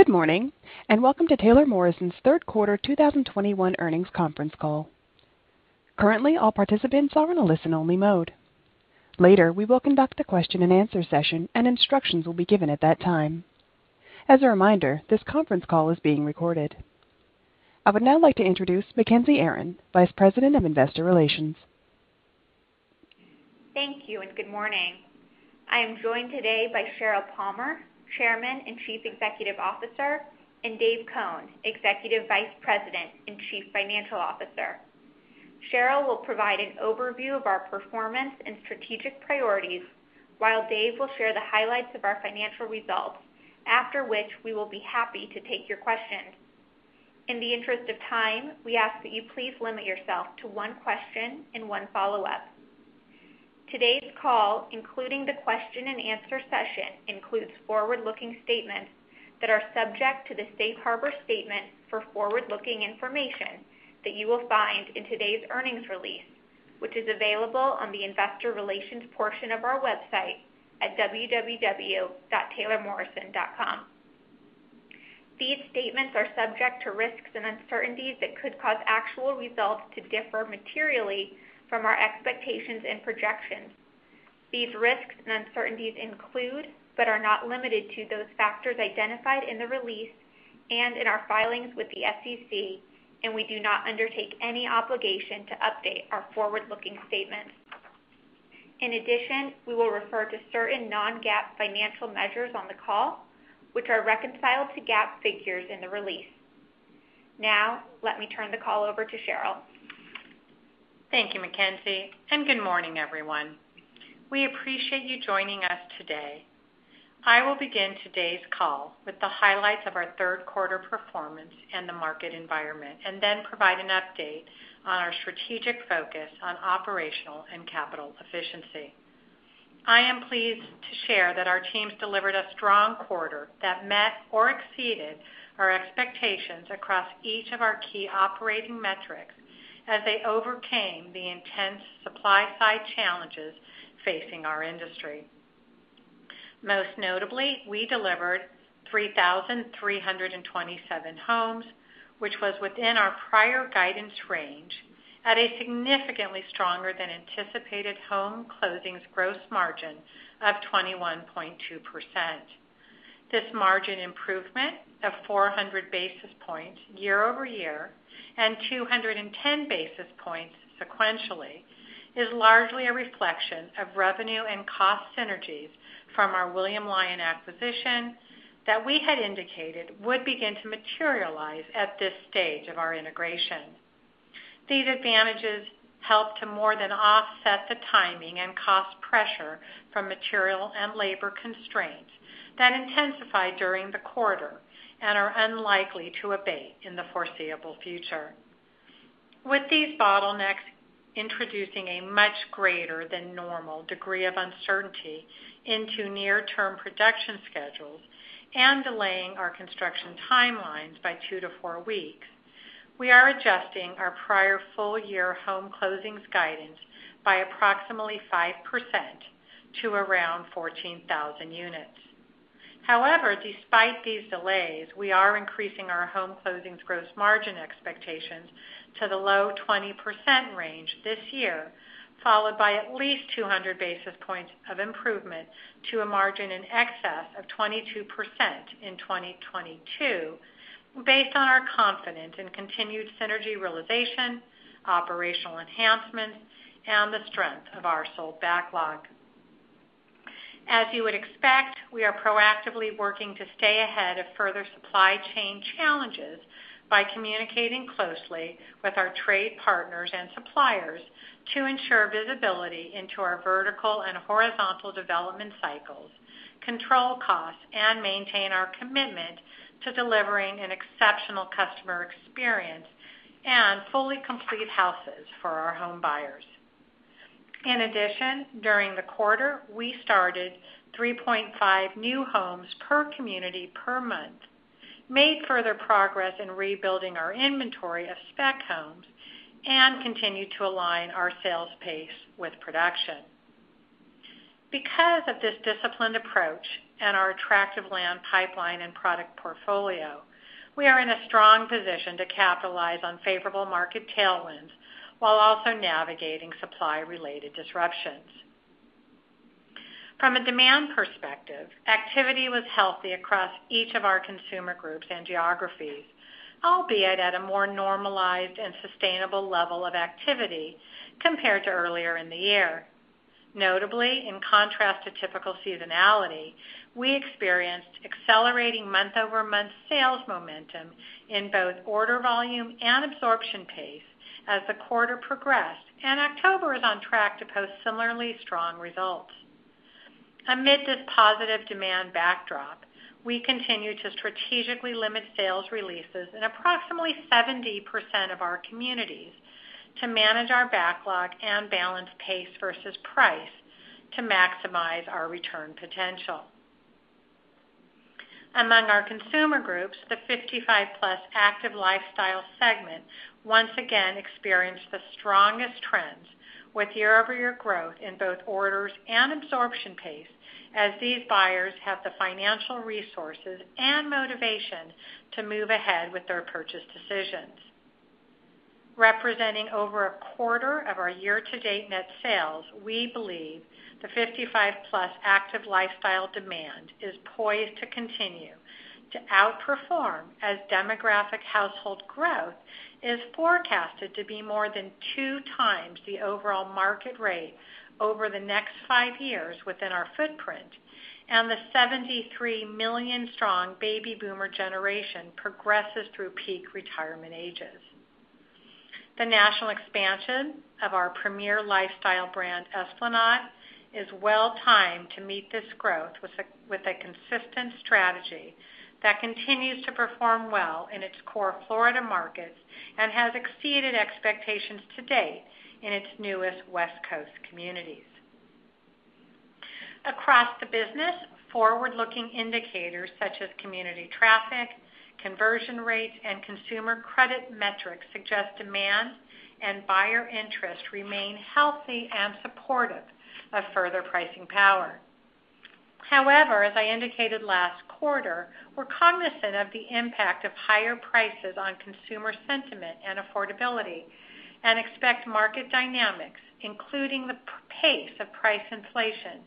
Good morning, and welcome to Taylor Morrison's third quarter 2021 earnings conference call. Currently, all participants are in a listen-only mode. Later, we will conduct a question-and-answer session, and instructions will be given at that time. As a reminder, this conference call is being recorded. I would now like to introduce Mackenzie Aron, Vice President of Investor Relations. Thank you and good morning. I am joined today by Sheryl Palmer, Chairman and Chief Executive Officer, and Dave Cone, Executive Vice President and Chief Financial Officer. Sheryl will provide an overview of our performance and strategic priorities, while Dave will share the highlights of our financial results. After which, we will be happy to take your questions. In the interest of time, we ask that you please limit yourself to one question and one follow-up. Today's call, including the question-and-answer session, includes forward-looking statements that are subject to the safe harbor statement for forward-looking information that you will find in today's earnings release, which is available on the investor relations portion of our website at www.taylormorrison.com. These statements are subject to risks and uncertainties that could cause actual results to differ materially from our expectations and projections. These risks and uncertainties include, but are not limited to, those factors identified in the release and in our filings with the SEC, and we do not undertake any obligation to update our forward-looking statements. In addition, we will refer to certain non-GAAP financial measures on the call, which are reconciled to GAAP figures in the release. Now, let me turn the call over to Sheryl. Thank you, Mackenzie, and good morning, everyone. We appreciate you joining us today. I will begin today's call with the highlights of our third quarter performance and the market environment, and then provide an update on our strategic focus on operational and capital efficiency. I am pleased to share that our teams delivered a strong quarter that met or exceeded our expectations across each of our key operating metrics as they overcame the intense supply side challenges facing our industry. Most notably, we delivered 3,327 homes, which was within our prior guidance range at a significantly stronger than anticipated home closings gross margin of 21.2%. This margin improvement of 400 basis points year-over-year and 210 basis points sequentially is largely a reflection of revenue and cost synergies from our William Lyon Homes acquisition that we had indicated would begin to materialize at this stage of our integration. These advantages help to more than offset the timing and cost pressure from material and labor constraints that intensified during the quarter and are unlikely to abate in the foreseeable future. With these bottlenecks introducing a much greater than normal degree of uncertainty into near-term production schedules and delaying our construction timelines by 2-4 weeks, we are adjusting our prior full year home closings guidance by approximately 5% to around 14,000 units. However, despite these delays, we are increasing our home closings gross margin expectations to the low 20% range this year, followed by at least 200 basis points of improvement to a margin in excess of 22% in 2022 based on our confidence in continued synergy realization, operational enhancements, and the strength of our sold backlog. As you would expect, we are proactively working to stay ahead of further supply chain challenges by communicating closely with our trade partners and suppliers to ensure visibility into our vertical and horizontal development cycles, control costs, and maintain our commitment to delivering an exceptional customer experience and fully complete houses for our home buyers. In addition, during the quarter, we started 3.5 new homes per community per month, made further progress in rebuilding our inventory of spec homes, and continued to align our sales pace with production. Because of this disciplined approach and our attractive land pipeline and product portfolio, we are in a strong position to capitalize on favorable market tailwinds while also navigating supply-related disruptions. From a demand perspective, activity was healthy across each of our consumer groups and geographies, albeit at a more normalized and sustainable level of activity compared to earlier in the year. Notably, in contrast to typical seasonality, we experienced accelerating month-over-month sales momentum in both order volume and absorption pace as the quarter progressed, and October is on track to post similarly strong results. Amid this positive demand backdrop, we continue to strategically limit sales releases in approximately 70% of our communities to manage our backlog and balance pace versus price to maximize our return potential. Among our consumer groups, the 55+ active lifestyle segment once again experienced the strongest trends. With year-over-year growth in both orders and absorption pace, as these buyers have the financial resources and motivation to move ahead with their purchase decisions. Representing over a quarter of our year-to-date net sales, we believe the 55+ active lifestyle demand is poised to continue to outperform as demographic household growth is forecasted to be more than 2x the overall market rate over the next four years within our footprint. The 73 million strong baby boomer generation progresses through peak retirement ages. The national expansion of our premier lifestyle brand, Esplanade, is well-timed to meet this growth with a consistent strategy that continues to perform well in its core Florida markets and has exceeded expectations to date in its newest West Coast communities. Across the business, forward-looking indicators such as community traffic, conversion rates, and consumer credit metrics suggest demand and buyer interest remain healthy and supportive of further pricing power. However, as I indicated last quarter, we're cognizant of the impact of higher prices on consumer sentiment and affordability and expect market dynamics, including the pace of price inflation,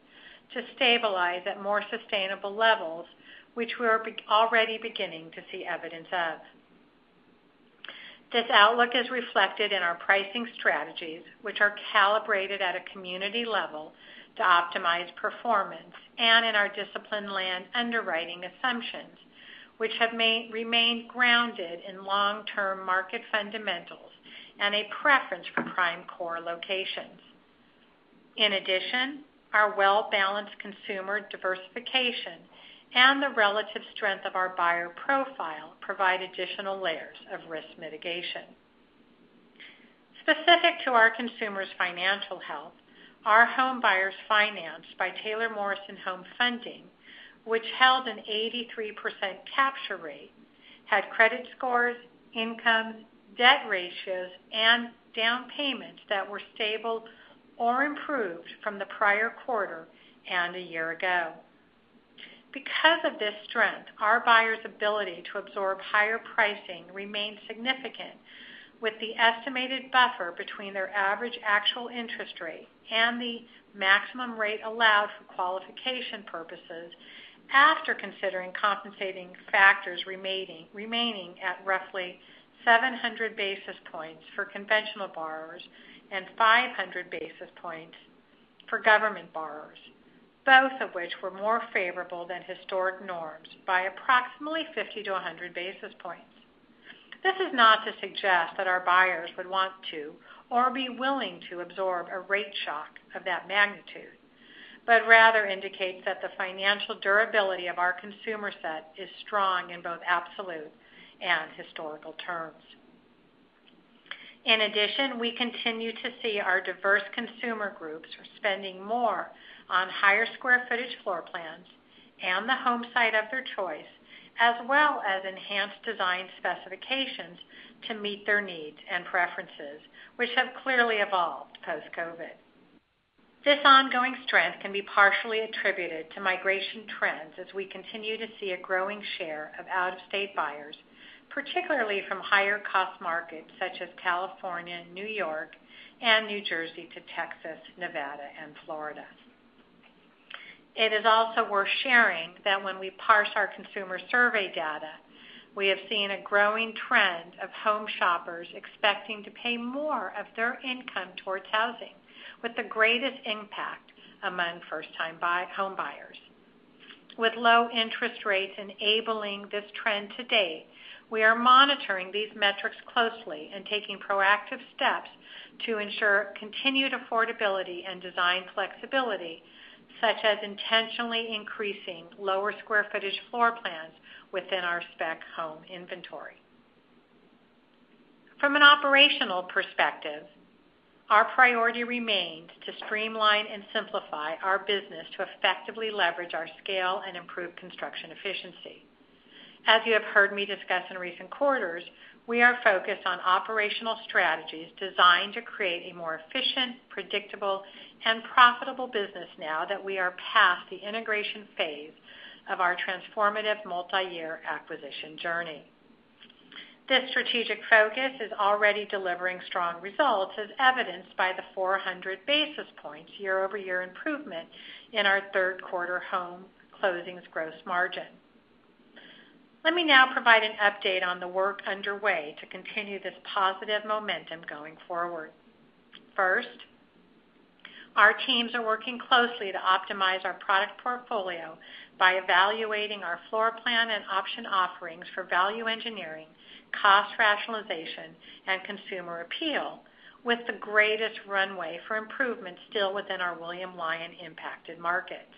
to stabilize at more sustainable levels, which we're already beginning to see evidence of. This outlook is reflected in our pricing strategies, which are calibrated at a community level to optimize performance, and in our disciplined land underwriting assumptions, which have remained grounded in long-term market fundamentals and a preference for prime core locations. In addition, our well-balanced consumer diversification and the relative strength of our buyer profile provide additional layers of risk mitigation. Specific to our consumers' financial health, our home buyers financed by Taylor Morrison Home Funding, which held an 83% capture rate, had credit scores, incomes, debt ratios, and down payments that were stable or improved from the prior quarter and a year ago. Because of this strength, our buyers' ability to absorb higher pricing remains significant, with the estimated buffer between their average actual interest rate and the maximum rate allowed for qualification purposes after considering compensating factors remaining at roughly 700 basis points for conventional borrowers and 500 basis points for government borrowers, both of which were more favorable than historic norms by approximately 50-100 basis points. This is not to suggest that our buyers would want to or be willing to absorb a rate shock of that magnitude, but rather indicates that the financial durability of our consumer set is strong in both absolute and historical terms. In addition, we continue to see our diverse consumer groups are spending more on higher square footage floor plans and the home site of their choice, as well as enhanced design specifications to meet their needs and preferences, which have clearly evolved post-COVID. This ongoing strength can be partially attributed to migration trends as we continue to see a growing share of out-of-state buyers, particularly from higher-cost markets such as California, New York, and New Jersey to Texas, Nevada, and Florida. It is also worth sharing that when we parse our consumer survey data, we have seen a growing trend of home shoppers expecting to pay more of their income towards housing, with the greatest impact among first-time home buyers. With low interest rates enabling this trend to date, we are monitoring these metrics closely and taking proactive steps to ensure continued affordability and design flexibility, such as intentionally increasing lower square footage floor plans within our spec home inventory. From an operational perspective, our priority remains to streamline and simplify our business to effectively leverage our scale and improve construction efficiency. As you have heard me discuss in recent quarters, we are focused on operational strategies designed to create a more efficient, predictable, and profitable business now that we are past the integration phase of our transformative multiyear acquisition journey. This strategic focus is already delivering strong results, as evidenced by the 400 basis points year-over-year improvement in our third quarter home closings gross margin. Let me now provide an update on the work underway to continue this positive momentum going forward. First, our teams are working closely to optimize our product portfolio by evaluating our floor plan and option offerings for value engineering, cost rationalization, and consumer appeal with the greatest runway for improvement still within our William Lyon Homes-impacted markets.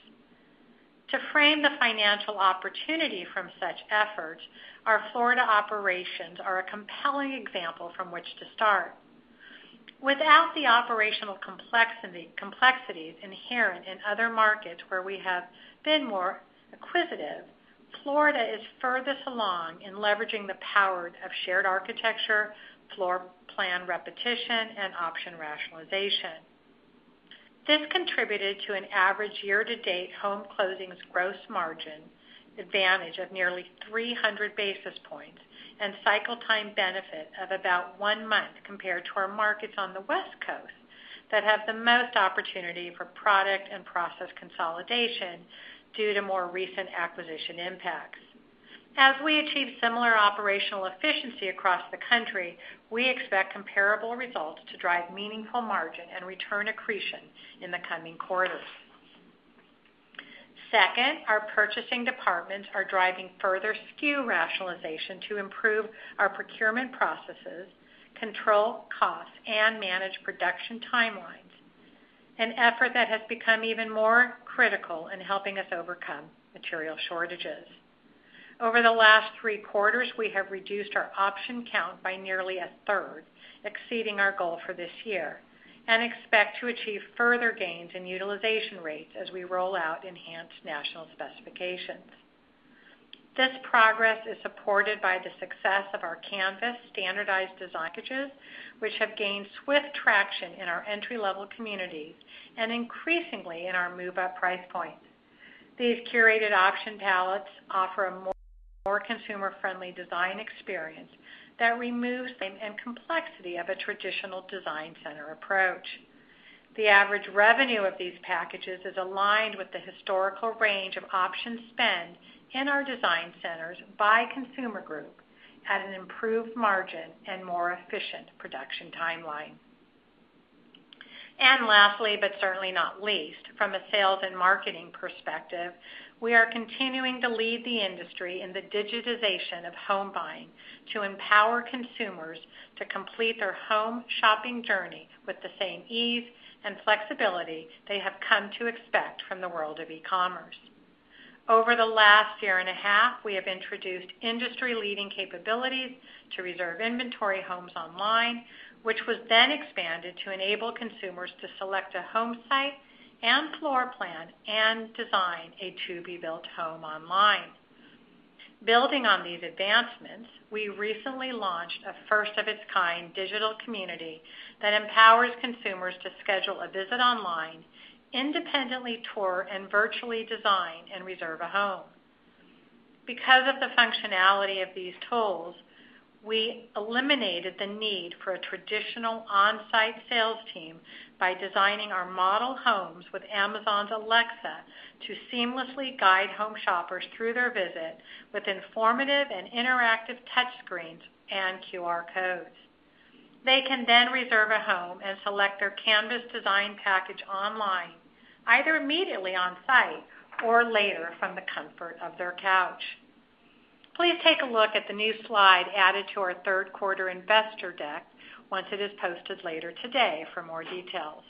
To frame the financial opportunity from such efforts, our Florida operations are a compelling example from which to start. Without the operational complexity inherent in other markets where we have been more acquisitive, Florida is furthest along in leveraging the power of shared architecture, floor plan repetition, and option rationalization. This contributed to an average year-to-date home closings gross margin advantage of nearly 300 basis points and cycle time benefit of about one month compared to our markets on the West Coast that have the most opportunity for product and process consolidation due to more recent acquisition impacts. As we achieve similar operational efficiency across the country, we expect comparable results to drive meaningful margin and return accretion in the coming quarters. Second, our purchasing departments are driving further SKU rationalization to improve our procurement processes, control costs, and manage production timelines, an effort that has become even more critical in helping us overcome material shortages. Over the last three quarters, we have reduced our option count by nearly 1/3, exceeding our goal for this year, and expect to achieve further gains in utilization rates as we roll out enhanced national specifications. This progress is supported by the success of our Canvas standardized design packages, which have gained swift traction in our entry-level communities and increasingly in our move-up price points. These curated option palettes offer a more consumer-friendly design experience that removes time and complexity of a traditional design center approach. The average revenue of these packages is aligned with the historical range of option spend in our design centers by consumer group at an improved margin and more efficient production timeline. Lastly, but certainly not least, from a sales and marketing perspective, we are continuing to lead the industry in the digitization of home buying to empower consumers to complete their home shopping journey with the same ease and flexibility they have come to expect from the world of e-commerce. Over the last year and a half, we have introduced industry-leading capabilities to reserve inventory homes online, which was then expanded to enable consumers to select a home site and floor plan and design a to-be-built home online. Building on these advancements, we recently launched a first-of-its-kind digital community that empowers consumers to schedule a visit online, independently tour, and virtually design and reserve a home. Because of the functionality of these tools, we eliminated the need for a traditional on-site sales team by designing our model homes with Amazon's Alexa to seamlessly guide home shoppers through their visit with informative and interactive touch screens and QR codes. They can then reserve a home and select their Canvas design package online, either immediately on-site or later from the comfort of their couch. Please take a look at the new slide added to our third quarter investor deck once it is posted later today for more details.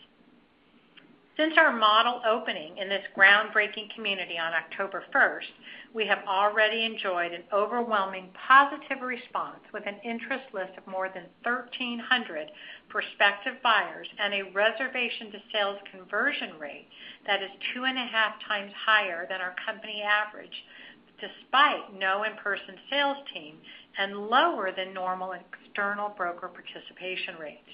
Since our model opening in this groundbreaking community on October 1st, we have already enjoyed an overwhelming positive response with an interest list of more than 1,300 prospective buyers and a reservation to sales conversion rate that is 2.5x higher than our company average despite no in-person sales team and lower than normal external broker participation rates.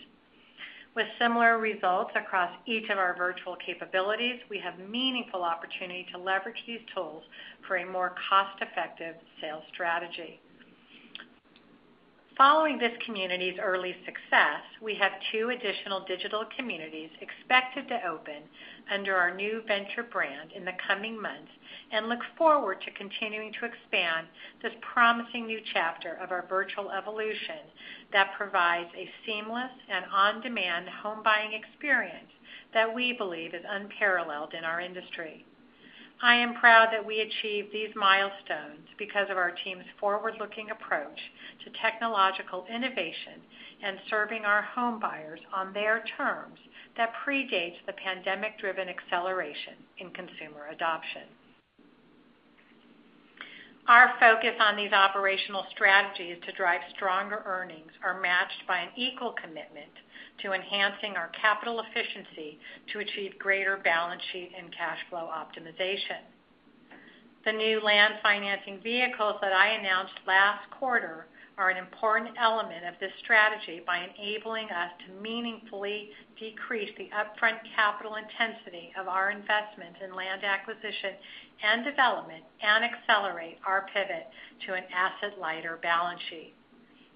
With similar results across each of our virtual capabilities, we have meaningful opportunity to leverage these tools for a more cost-effective sales strategy. Following this community's early success, we have two additional digital communities expected to open under our new Venture brand in the coming months and look forward to continuing to expand this promising new chapter of our virtual evolution that provides a seamless and on-demand home buying experience that we believe is unparalleled in our industry. I am proud that we achieved these milestones because of our team's forward-looking approach to technological innovation and serving our home buyers on their terms that predates the pandemic-driven acceleration in consumer adoption. Our focus on these operational strategies to drive stronger earnings are matched by an equal commitment to enhancing our capital efficiency to achieve greater balance sheet and cash flow optimization. The new land financing vehicles that I announced last quarter are an important element of this strategy by enabling us to meaningfully decrease the upfront capital intensity of our investment in land acquisition and development and accelerate our pivot to an asset-lighter balance sheet.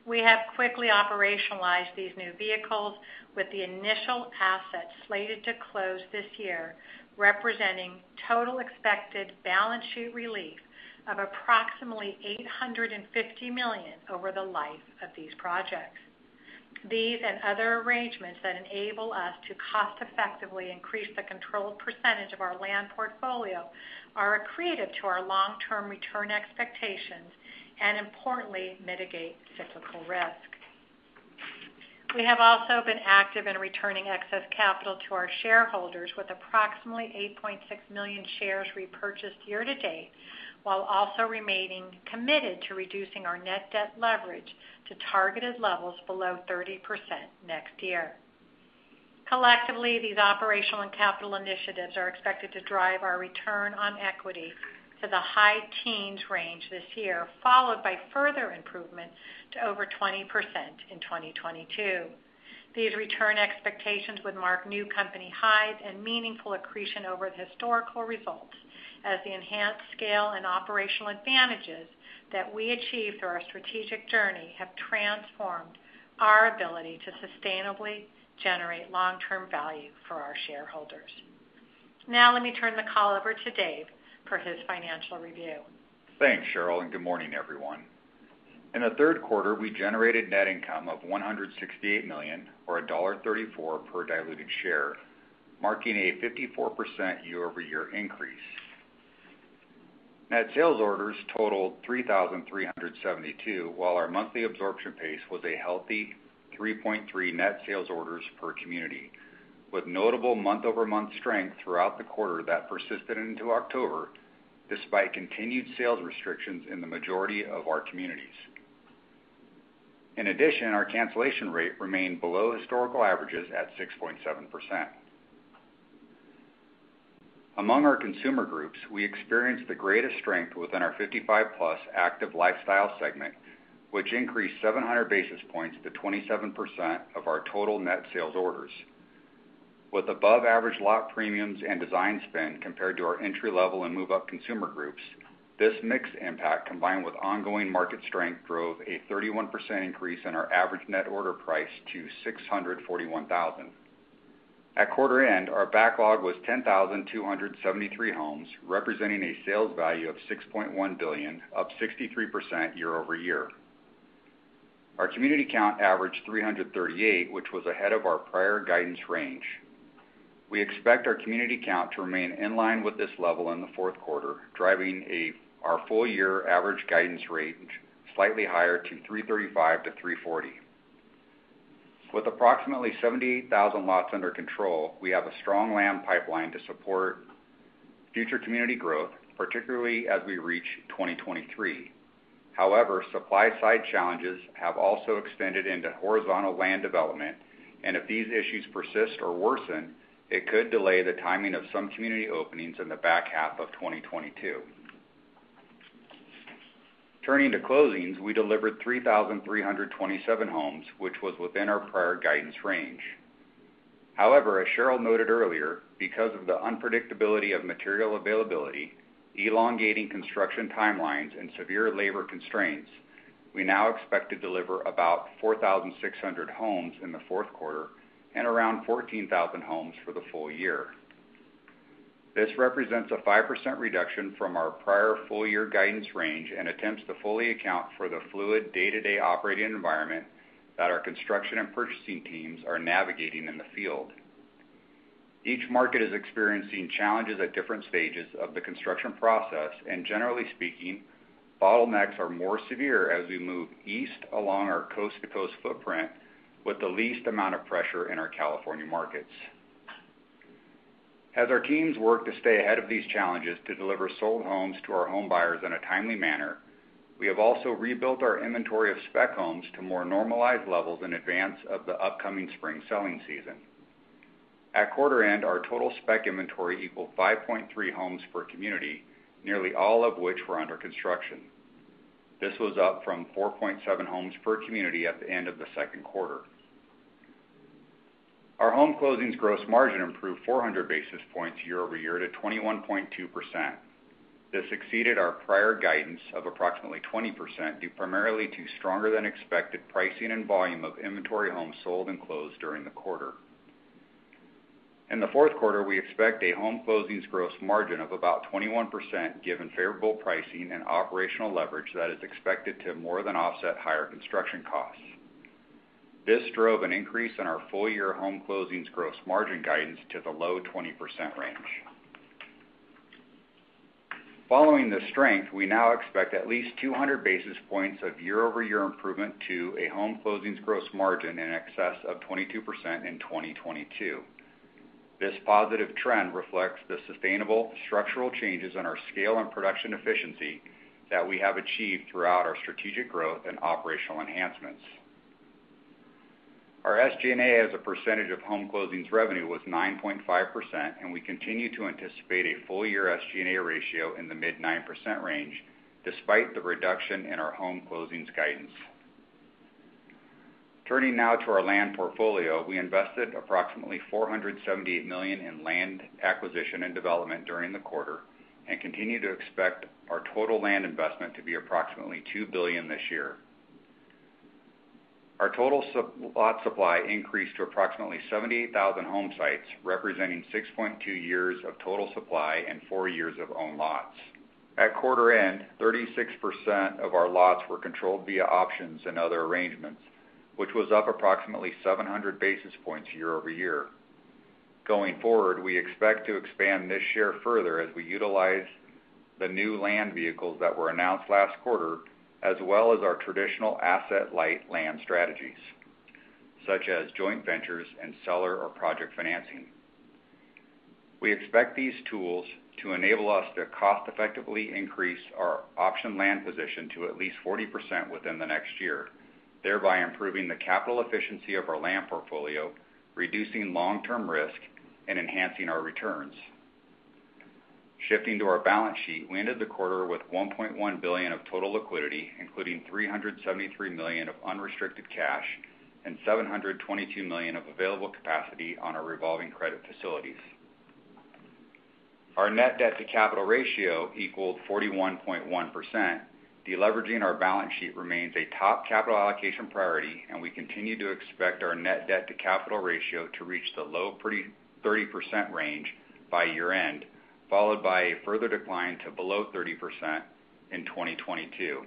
We have quickly operationalized these new vehicles with the initial assets slated to close this year, representing total expected balance sheet relief of approximately $850 million over the life of these projects. These and other arrangements that enable us to cost-effectively increase the controlled percentage of our land portfolio are accretive to our long-term return expectations and importantly mitigate cyclical risk. We have also been active in returning excess capital to our shareholders with approximately 8.6 million shares repurchased year to date while also remaining committed to reducing our net debt leverage to targeted levels below 30% next year. Collectively, these operational and capital initiatives are expected to drive our return on equity to the high teens range this year, followed by further improvements to over 20% in 2022. These return expectations would mark new company highs and meaningful accretion over the historical results as the enhanced scale and operational advantages that we achieved through our strategic journey have transformed our ability to sustainably generate long-term value for our shareholders. Now let me turn the call over to Dave for his financial review. Thanks, Sheryl, and good morning, everyone. In the third quarter, we generated net income of $168 million, or $1.34 per diluted share, marking a 54% year-over-year increase. Net sales orders totaled 3,372, while our monthly absorption pace was a healthy 3.3 net sales orders per community, with notable month-over-month strength throughout the quarter that persisted into October despite continued sales restrictions in the majority of our communities. In addition, our cancellation rate remained below historical averages at 6.7%. Among our consumer groups, we experienced the greatest strength within our 55+ active lifestyle segment, which increased 700 basis points to 27% of our total net sales orders. With above average lot premiums and design spend compared to our entry-level and move-up consumer groups, this mix impact, combined with ongoing market strength, drove a 31% increase in our average net order price to $641,000. At quarter end, our backlog was 10,273 homes, representing a sales value of $6.1 billion, up 63% year-over-year. Our community count averaged 338, which was ahead of our prior guidance range. We expect our community count to remain in line with this level in the fourth quarter, driving our full year average guidance range slightly higher to 335-340. With approximately 78,000 lots under control, we have a strong land pipeline to support future community growth, particularly as we reach 2023. However, supply side challenges have also extended into horizontal land development, and if these issues persist or worsen, it could delay the timing of some community openings in the back half of 2022. Turning to closings, we delivered 3,327 homes, which was within our prior guidance range. However, as Sheryl noted earlier, because of the unpredictability of material availability, elongating construction timelines, and severe labor constraints, we now expect to deliver about 4,600 homes in the fourth quarter and around 14,000 homes for the full year. This represents a 5% reduction from our prior full year guidance range and attempts to fully account for the fluid day-to-day operating environment that our construction and purchasing teams are navigating in the field. Each market is experiencing challenges at different stages of the construction process, and generally speaking, bottlenecks are more severe as we move east along our coast-to-coast footprint with the least amount of pressure in our California markets. As our teams work to stay ahead of these challenges to deliver sold homes to our home buyers in a timely manner, we have also rebuilt our inventory of spec homes to more normalized levels in advance of the upcoming spring selling season. At quarter end, our total spec inventory equaled 5.3 homes per community, nearly all of which were under construction. This was up from 4.7 homes per community at the end of the second quarter. Our home closings gross margin improved 400 basis points year-over-year to 21.2%. This exceeded our prior guidance of approximately 20% due primarily to stronger than expected pricing and volume of inventory homes sold and closed during the quarter. In the fourth quarter, we expect a home closings gross margin of about 21%, given favorable pricing and operational leverage that is expected to more than offset higher construction costs. This drove an increase in our full year home closings gross margin guidance to the low 20% range. Following the strength, we now expect at least 200 basis points of year-over-year improvement to a home closings gross margin in excess of 22% in 2022. This positive trend reflects the sustainable structural changes in our scale and production efficiency that we have achieved throughout our strategic growth and operational enhancements. Our SG&A as a percentage of home closings revenue was 9.5%, and we continue to anticipate a full year SG&A ratio in the mid-9% range, despite the reduction in our home closings guidance. Turning now to our land portfolio, we invested approximately $478 million in land acquisition and development during the quarter and continue to expect our total land investment to be approximately $2 billion this year. Our total lot supply increased to approximately 78,000 home sites, representing 6.2 years of total supply and four years of own lots. At quarter end, 36% of our lots were controlled via options and other arrangements, which was up approximately 700 basis points year-over-year. Going forward, we expect to expand this share further as we utilize the new land vehicles that were announced last quarter, as well as our traditional asset-light land strategies, such as joint ventures and seller or project financing. We expect these tools to enable us to cost effectively increase our option land position to at least 40% within the next year, thereby improving the capital efficiency of our land portfolio, reducing long-term risk, and enhancing our returns. Shifting to our balance sheet, we ended the quarter with $1.1 billion of total liquidity, including $373 million of unrestricted cash and $722 million of available capacity on our revolving credit facilities. Our net debt to capital ratio equaled 41.1%. Deleveraging our balance sheet remains a top capital allocation priority, and we continue to expect our net debt to capital ratio to reach the low 30% range by year-end, followed by a further decline to below 30% in 2022.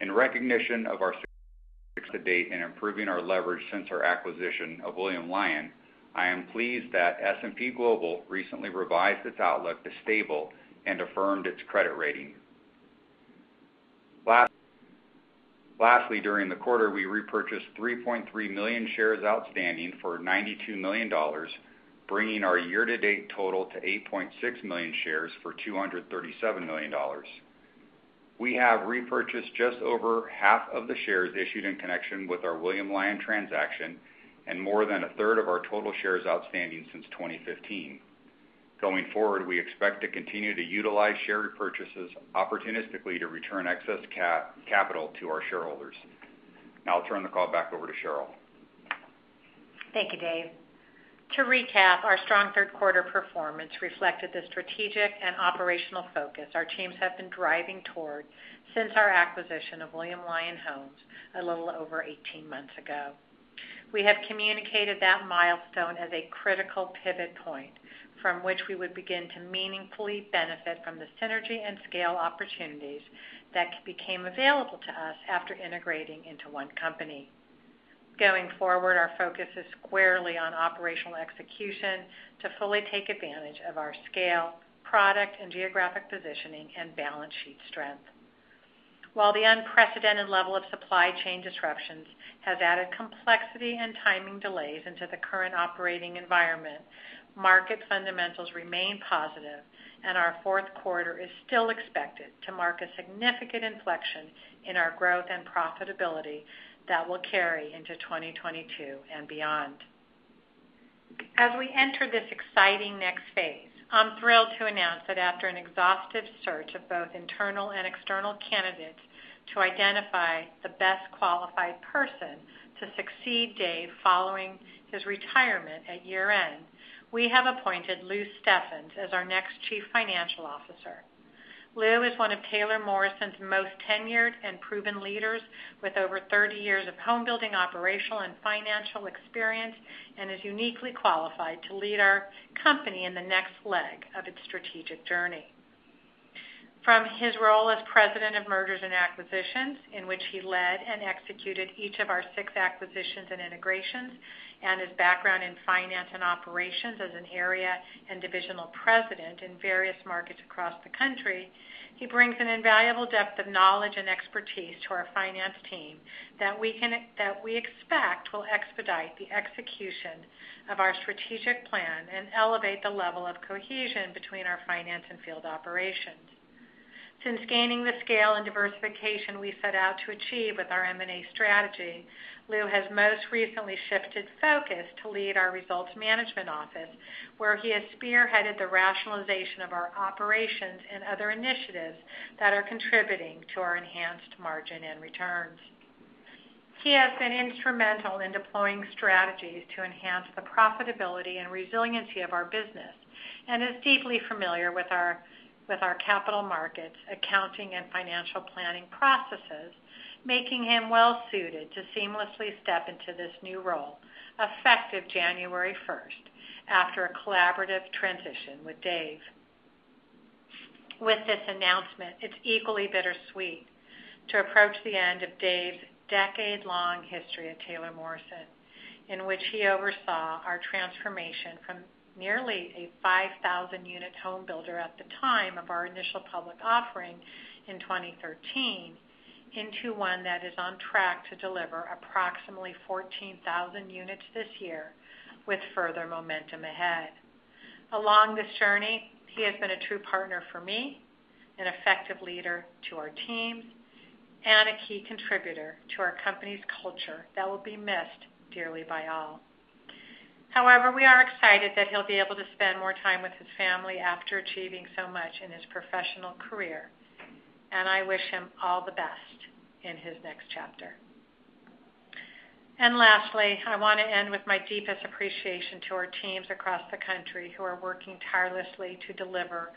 In recognition of our success to date in improving our leverage since our acquisition of William Lyon Homes, I am pleased that S&P Global recently revised its outlook to stable and affirmed its credit rating. Lastly, during the quarter, we repurchased 3.3 million shares outstanding for $92 million, bringing our year-to-date total to 8.6 million shares for $237 million. We have repurchased just over half of the shares issued in connection with our William Lyon Homes transaction and more than a third of our total shares outstanding since 2015. Going forward, we expect to continue to utilize share repurchases opportunistically to return excess capital to our shareholders. Now I'll turn the call back over to Sheryl. Thank you, Dave. To recap, our strong third quarter performance reflected the strategic and operational focus our teams have been driving toward since our acquisition of William Lyon Homes a little over 18 months ago. We have communicated that milestone as a critical pivot point from which we would begin to meaningfully benefit from the synergy and scale opportunities that became available to us after integrating into one company. Going forward, our focus is squarely on operational execution to fully take advantage of our scale, product and geographic positioning, and balance sheet strength. While the unprecedented level of supply chain disruptions has added complexity and timing delays into the current operating environment, market fundamentals remain positive, and our fourth quarter is still expected to mark a significant inflection in our growth and profitability that will carry into 2022 and beyond. As we enter this exciting next phase, I'm thrilled to announce that after an exhaustive search of both internal and external candidates to identify the best qualified person to succeed Dave following his retirement at year-end, we have appointed Lou Steffens as our next Chief Financial Officer. Lou is one of Taylor Morrison's most tenured and proven leaders with over 30 years of home building operational and financial experience, and is uniquely qualified to lead our company in the next leg of its strategic journey. From his role as president of Mergers and Acquisitions, in which he led and executed each of our six acquisitions and integrations, and his background in finance and operations as an area and divisional president in various markets across the country, he brings an invaluable depth of knowledge and expertise to our finance team that we expect will expedite the execution of our strategic plan and elevate the level of cohesion between our finance and field operations. Since gaining the scale and diversification we set out to achieve with our M&A strategy, Lou has most recently shifted focus to lead our results management office, where he has spearheaded the rationalization of our operations and other initiatives that are contributing to our enhanced margin and returns. He has been instrumental in deploying strategies to enhance the profitability and resiliency of our business, and is deeply familiar with our capital markets, accounting and financial planning processes, making him well suited to seamlessly step into this new role effective January 1st after a collaborative transition with Dave. With this announcement, it's equally bittersweet to approach the end of Dave's decade-long history at Taylor Morrison, in which he oversaw our transformation from nearly a 5,000-unit home builder at the time of our initial public offering in 2013 into one that is on track to deliver approximately 14,000 units this year with further momentum ahead. Along this journey, he has been a true partner for me, an effective leader to our teams, and a key contributor to our company's culture that will be missed dearly by all. However, we are excited that he'll be able to spend more time with his family after achieving so much in his professional career, and I wish him all the best in his next chapter. Lastly, I wanna end with my deepest appreciation to our teams across the country who are working tirelessly to deliver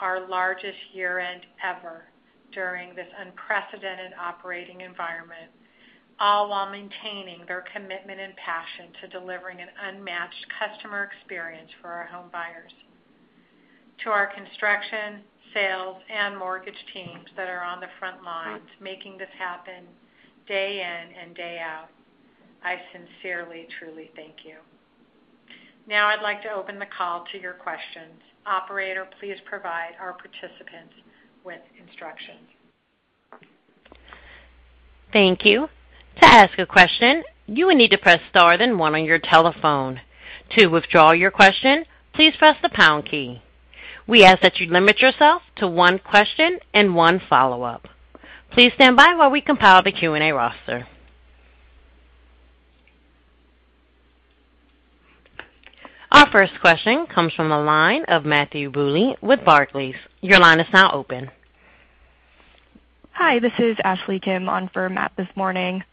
our largest year-end ever during this unprecedented operating environment, all while maintaining their commitment and passion to delivering an unmatched customer experience for our home buyers. To our construction, sales, and mortgage teams that are on the front lines making this happen day in and day out, I sincerely truly thank you. Now, I'd like to open the call to your questions. Operator, please provide our participants with instructions. Thank you. To ask a question, you will need to press star then one on your telephone. To withdraw your question, please press the pound key. We ask that you limit yourself to one question and one follow-up. Please stand by while we compile the Q&A roster. Our first question comes from the line of Matthew Bouley with Barclays. Your line is now open. Hi, this is Ashley Kim on for Matt this morning.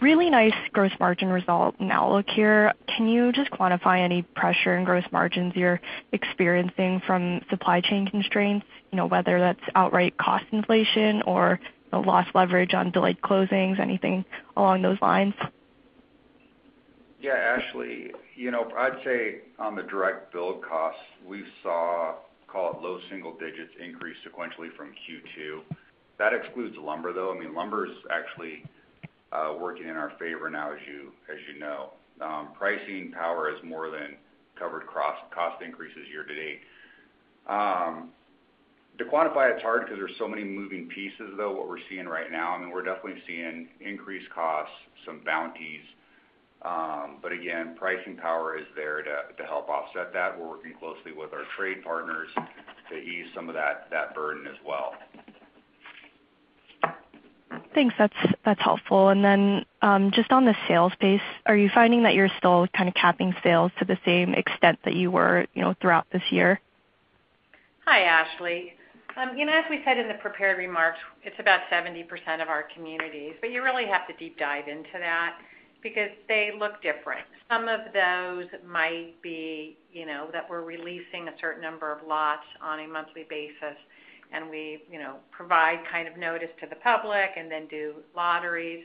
Really nice gross margin result in outlook here. Can you just quantify any pressure in gross margins you're experiencing from supply chain constraints? You know, whether that's outright cost inflation or a lost leverage on delayed closings, anything along those lines? Yeah. Ashley, you know, I'd say on the direct build costs, we saw, call it, low single digits increase sequentially from Q2. That excludes lumber, though. I mean, lumber is actually working in our favor now, as you know. Pricing power has more than covered cross-cost increases year-to-date. To quantify it's hard because there's so many moving pieces, though. What we're seeing right now, I mean, we're definitely seeing increased costs, some bonuses. But again, pricing power is there to help offset that. We're working closely with our trade partners to ease some of that burden as well. Thanks. That's helpful. Just on the sales base, are you finding that you're still kind of capping sales to the same extent that you were, you know, throughout this year? Hi, Ashley. You know, as we said in the prepared remarks, it's about 70% of our communities, but you really have to deep dive into that because they look different. Some of those might be, you know, that we're releasing a certain number of lots on a monthly basis, and we, you know, provide kind of notice to the public and then do lotteries.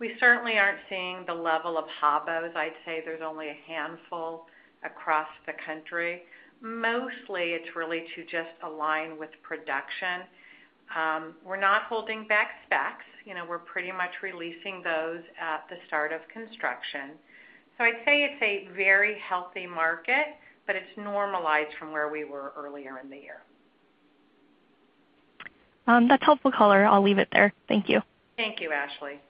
We certainly aren't seeing the level of HOBOs. I'd say there's only a handful across the country. Mostly, it's really to just align with production. We're not holding back specs, you know, we're pretty much releasing those at the start of construction. I'd say it's a very healthy market, but it's normalized from where we were earlier in the year. That's helpful color. I'll leave it there. Thank you. Thank you, Ashley.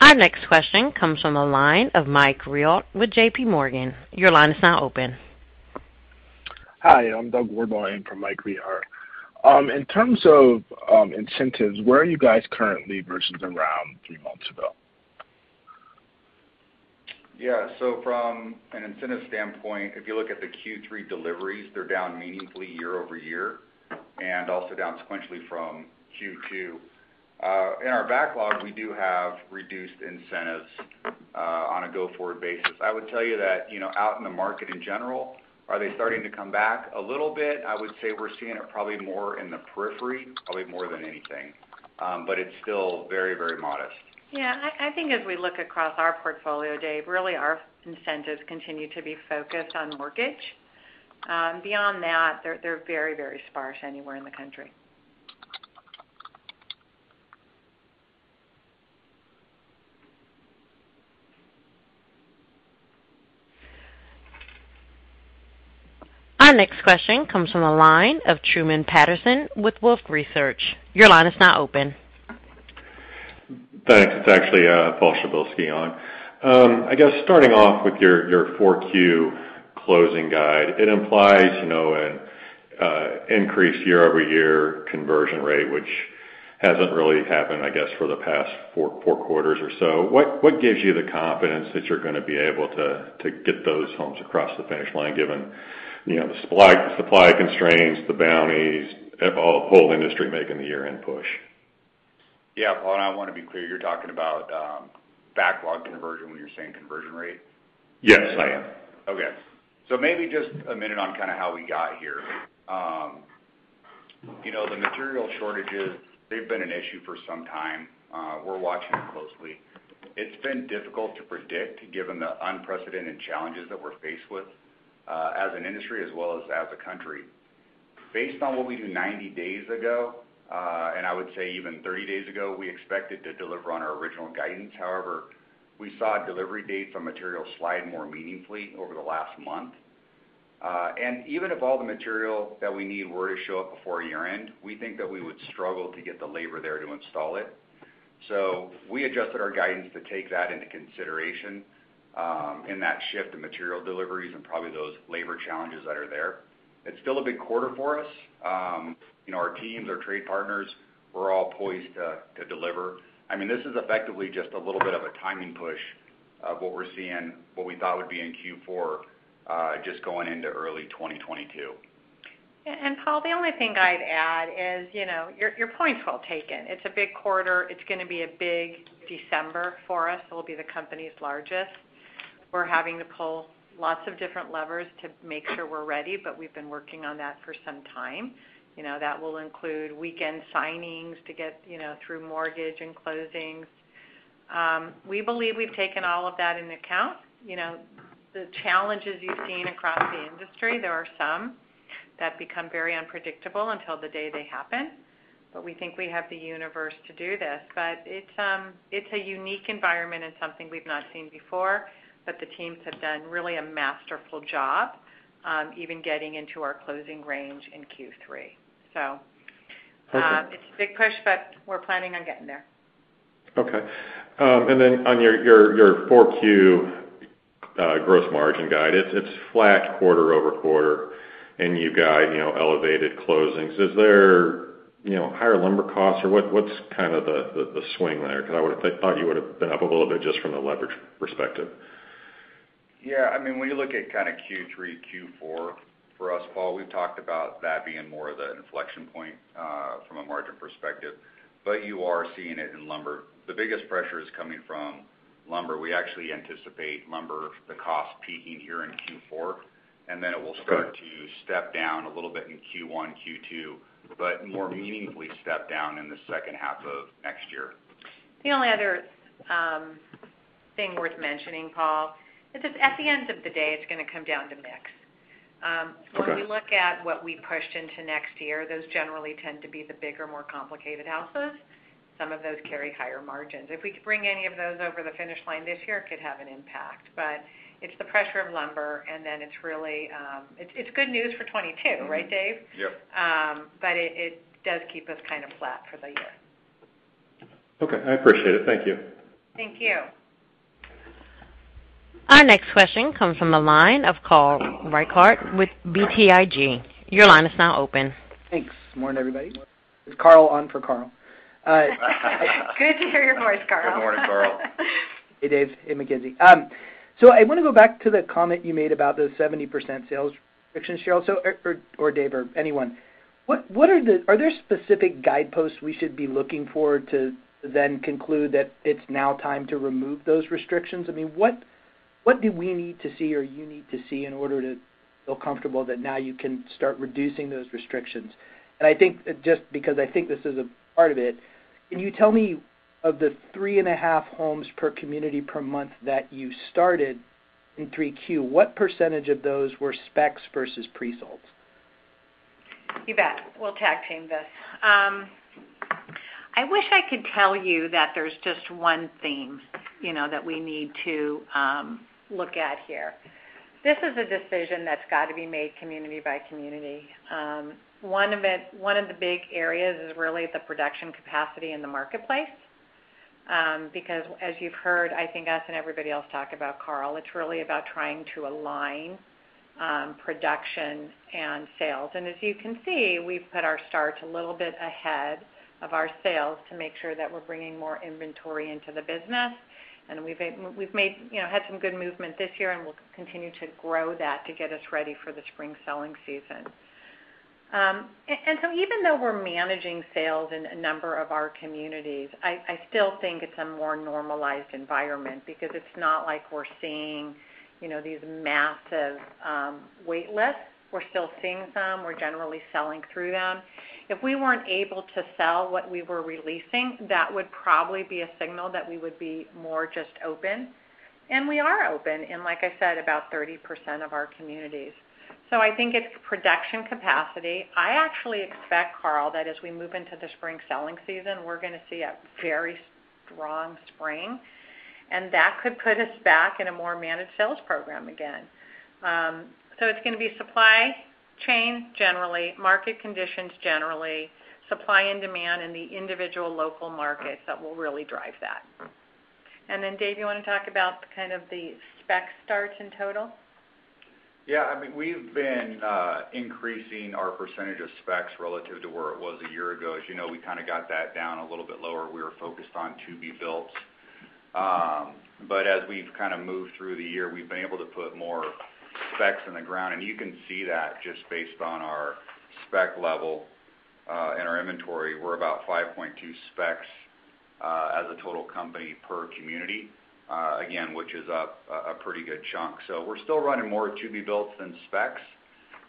Our next question comes from the line of Mike Rehaut with JPMorgan. Your line is now open. Hi, I'm [Doug Harbaugh] in for Mike Rehaut. In terms of incentives, where are you guys currently versus around three months ago? Yeah. From an incentive standpoint, if you look at the Q3 deliveries, they're down meaningfully year over year, and also down sequentially from Q2. In our backlog, we do have reduced incentives on a go-forward basis. I would tell you that, you know, out in the market in general, are they starting to come back a little bit? I would say we're seeing it probably more in the periphery, probably more than anything. It's still very, very modest. Yeah. I think as we look across our portfolio, Dave, really our incentives continue to be focused on mortgage. Beyond that, they're very, very sparse anywhere in the country. Our next question comes from the line of Truman Patterson with Wolfe Research. Your line is now open. Thanks. It's actually Paul Tabolski on. I guess starting off with your 4Q closing guide, it implies, you know, an increase year-over-year conversion rate, which hasn't really happened, I guess, for the past four quarters or so. What gives you the confidence that you're gonna be able to get those homes across the finish line given, you know, the supply constraints, the bonuses, the whole industry making the year-end push? Yeah. Paul, I wanna be clear, you're talking about backlog conversion when you're saying conversion rate? Yes, I am. Okay. Maybe just a minute on kind of how we got here. You know, the material shortages, they've been an issue for some time. We're watching it closely. It's been difficult to predict given the unprecedented challenges that we're faced with, as an industry as well as a country. Based on what we do 90 days ago, and I would say even 30 days ago, we expected to deliver on our original guidance. However, we saw delivery dates on material slide more meaningfully over the last month. Even if all the material that we need were to show up before year-end, we think that we would struggle to get the labor there to install it. We adjusted our guidance to take that into consideration, in that shift in material deliveries and probably those labor challenges that are there. It's still a big quarter for us. You know, our teams, our trade partners, we're all poised to deliver. I mean, this is effectively just a little bit of a timing push of what we're seeing, what we thought would be in Q4, just going into early 2022. Paul, the only thing I'd add is, you know, your point is well taken. It's a big quarter. It's gonna be a big December for us. It'll be the company's largest. We're having to pull lots of different levers to make sure we're ready, but we've been working on that for some time. You know, that will include weekend signings to get, you know, through mortgage and closings. We believe we've taken all of that into account. You know, the challenges you've seen across the industry, there are some that become very unpredictable until the day they happen. We think we have the universe to do this. It's a unique environment and something we've not seen before. The teams have done really a masterful job, even getting into our closing range in Q3. It's a big push, but we're planning on getting there. Okay. Then on your 4Q gross margin guide, it's flat quarter-over-quarter, and you guide, you know, elevated closings. Is there, you know, higher lumber costs? Or what's kind of the swing there 'cause I would have thought you would've been up a little bit just from a leverage perspective. Yeah. I mean, when you look at kind of Q3, Q4 for us, Paul, we've talked about that being more of the inflection point from a margin perspective, but you are seeing it in lumber. The biggest pressure is coming from lumber. We actually anticipate lumber, the cost peaking here in Q4, and then it will start to step down a little bit in Q1, Q2, but more meaningfully step down in the second half of next year. The only other thing worth mentioning, Paul, is just at the end of the day, it's gonna come down to mix. Right. When we look at what we pushed into next year, those generally tend to be the bigger, more complicated houses. Some of those carry higher margins. If we could bring any of those over the finish line this year, it could have an impact. But it's the pressure of lumber, and then it's really good news for 2022, right, Dave? Yep. It does keep us kind of flat for the year. Okay. I appreciate it. Thank you. Thank you. Our next question comes from the line of Carl Reichardt with BTIG. Your line is now open. Thanks. Morning, everybody. It's Carl on for Carl. Good to hear your voice, Carl. Good morning, Carl. Hey, Dave. Hey, Mackenzie. I wanna go back to the comment you made about the 70% sales restrictions, Sheryl. Or Dave or anyone. Are there specific guideposts we should be looking for to then conclude that it's now time to remove those restrictions? I mean, what do we need to see or you need to see in order to feel comfortable that now you can start reducing those restrictions? I think just because I think this is a part of it, can you tell me of the 3.5 homes per community per month that you started in 3Q, what percentage of those were specs versus pre-solds? You bet. We'll tag team this. I wish I could tell you that there's just one theme, you know, that we need to look at here. This is a decision that's gotta be made community by community. One of the big areas is really the production capacity in the marketplace, because as you've heard, I think us and everybody else talk about Carl, it's really about trying to align production and sales. As you can see, we've put our start a little bit ahead of our sales to make sure that we're bringing more inventory into the business. We've made, you know, had some good movement this year, and we'll continue to grow that to get us ready for the spring selling season. Even though we're managing sales in a number of our communities, I still think it's a more normalized environment because it's not like we're seeing, you know, these massive wait lists. We're still seeing some. We're generally selling through them. If we weren't able to sell what we were releasing, that would probably be a signal that we would be more just open, and we are open in, like I said, about 30% of our communities. I think it's production capacity. I actually expect, Carl, that as we move into the spring selling season, we're gonna see a very strong spring, and that could put us back in a more managed sales program again. It's gonna be supply chain generally, market conditions generally, supply and demand in the individual local markets that will really drive that. Dave, you wanna talk about kind of the spec starts in total? Yeah. I mean, we've been increasing our percentage of specs relative to where it was a year ago. As you know, we kinda got that down a little bit lower. We were focused on to-be-builts. As we've kind of moved through the year, we've been able to put more specs in the ground, and you can see that just based on our spec level and our inventory. We're about 5.2 specs as a total company per community, again, which is a pretty good chunk. We're still running more to-be-builts than specs,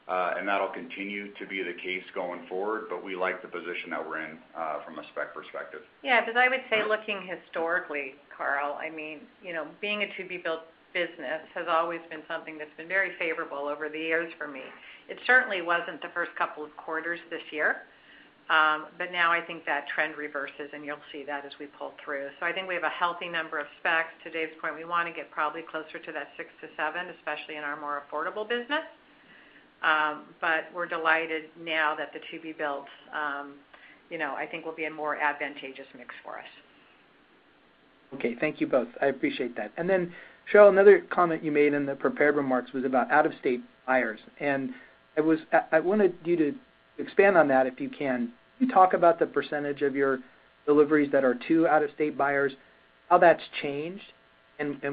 and that'll continue to be the case going forward, but we like the position that we're in from a spec perspective. Yeah. Because I would say looking historically, Carl, I mean, you know, being a to-be-built business has always been something that's been very favorable over the years for me. It certainly wasn't the first couple of quarters this year, but now I think that trend reverses, and you'll see that as we pull through. I think we have a healthy number of specs. To Dave's point, we wanna get probably closer to that 6-7, especially in our more affordable business. We're delighted now that the to-be-builts, you know, I think will be a more advantageous mix for us. Okay. Thank you both. I appreciate that. Then, Sheryl, another comment you made in the prepared remarks was about out-of-state buyers, and I wanted you to expand on that, if you can. Can you talk about the percentage of your deliveries that are to out-of-state buyers, how that's changed,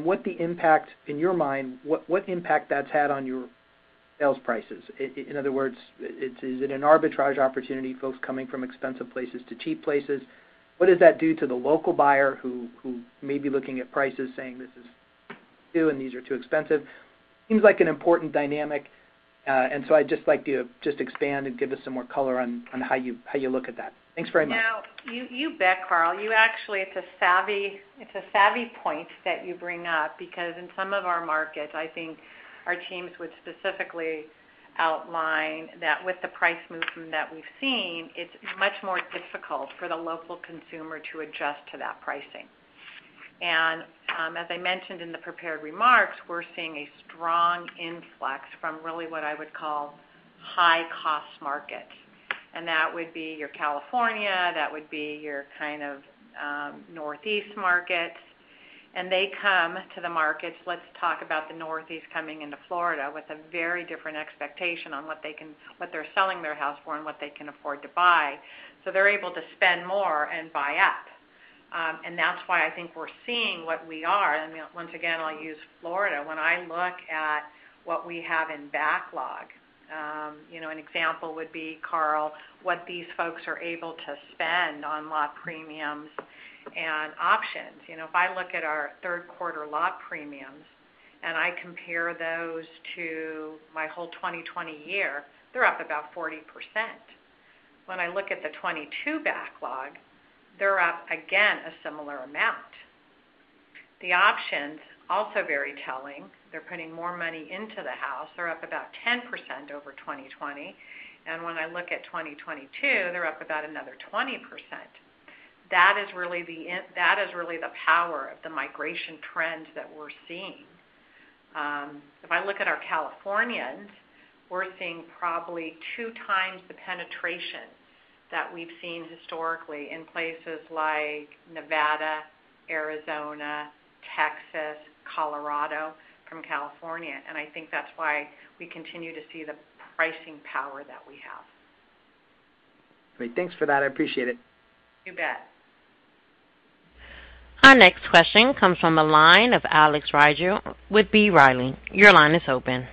what the impact in your mind, what impact that's had on your sales prices? In other words, is it an arbitrage opportunity, folks coming from expensive places to cheap places? What does that do to the local buyer who may be looking at prices saying, "This is too, and these are too expensive." Seems like an important dynamic. I'd just like you to expand and give us some more color on how you look at that. Thanks very much. You bet, Carl. It's a savvy point that you bring up because in some of our markets, I think our teams would specifically outline that with the price movement that we've seen, it's much more difficult for the local consumer to adjust to that pricing. As I mentioned in the prepared remarks, we're seeing a strong influx from really what I would call high-cost markets. That would be your California, that would be your kind of Northeast markets. They come to the markets. Let's talk about the Northeast coming into Florida with a very different expectation on what they're selling their house for and what they can afford to buy. They're able to spend more and buy up. That's why I think we're seeing what we are. Once again, I'll use Florida. When I look at what we have in backlog, you know, an example would be, Carl, what these folks are able to spend on lot premiums and options. You know, if I look at our third quarter lot premiums and I compare those to my whole 2020 year, they're up about 40%. When I look at the 2022 backlog, they're up again a similar amount. The options are also very telling. They're putting more money into the house. They're up about 10% over 2020. When I look at 2022, they're up about another 20%. That is really the power of the migration trend that we're seeing. If I look at our Californians, we're seeing probably 2x the penetration that we've seen historically in places like Nevada, Arizona, Texas, Colorado from California, and I think that's why we continue to see the pricing power that we have. Great. Thanks for that. I appreciate it. You bet. Our next question comes from the line of Alex Rygiel with B. Riley. Your line is open.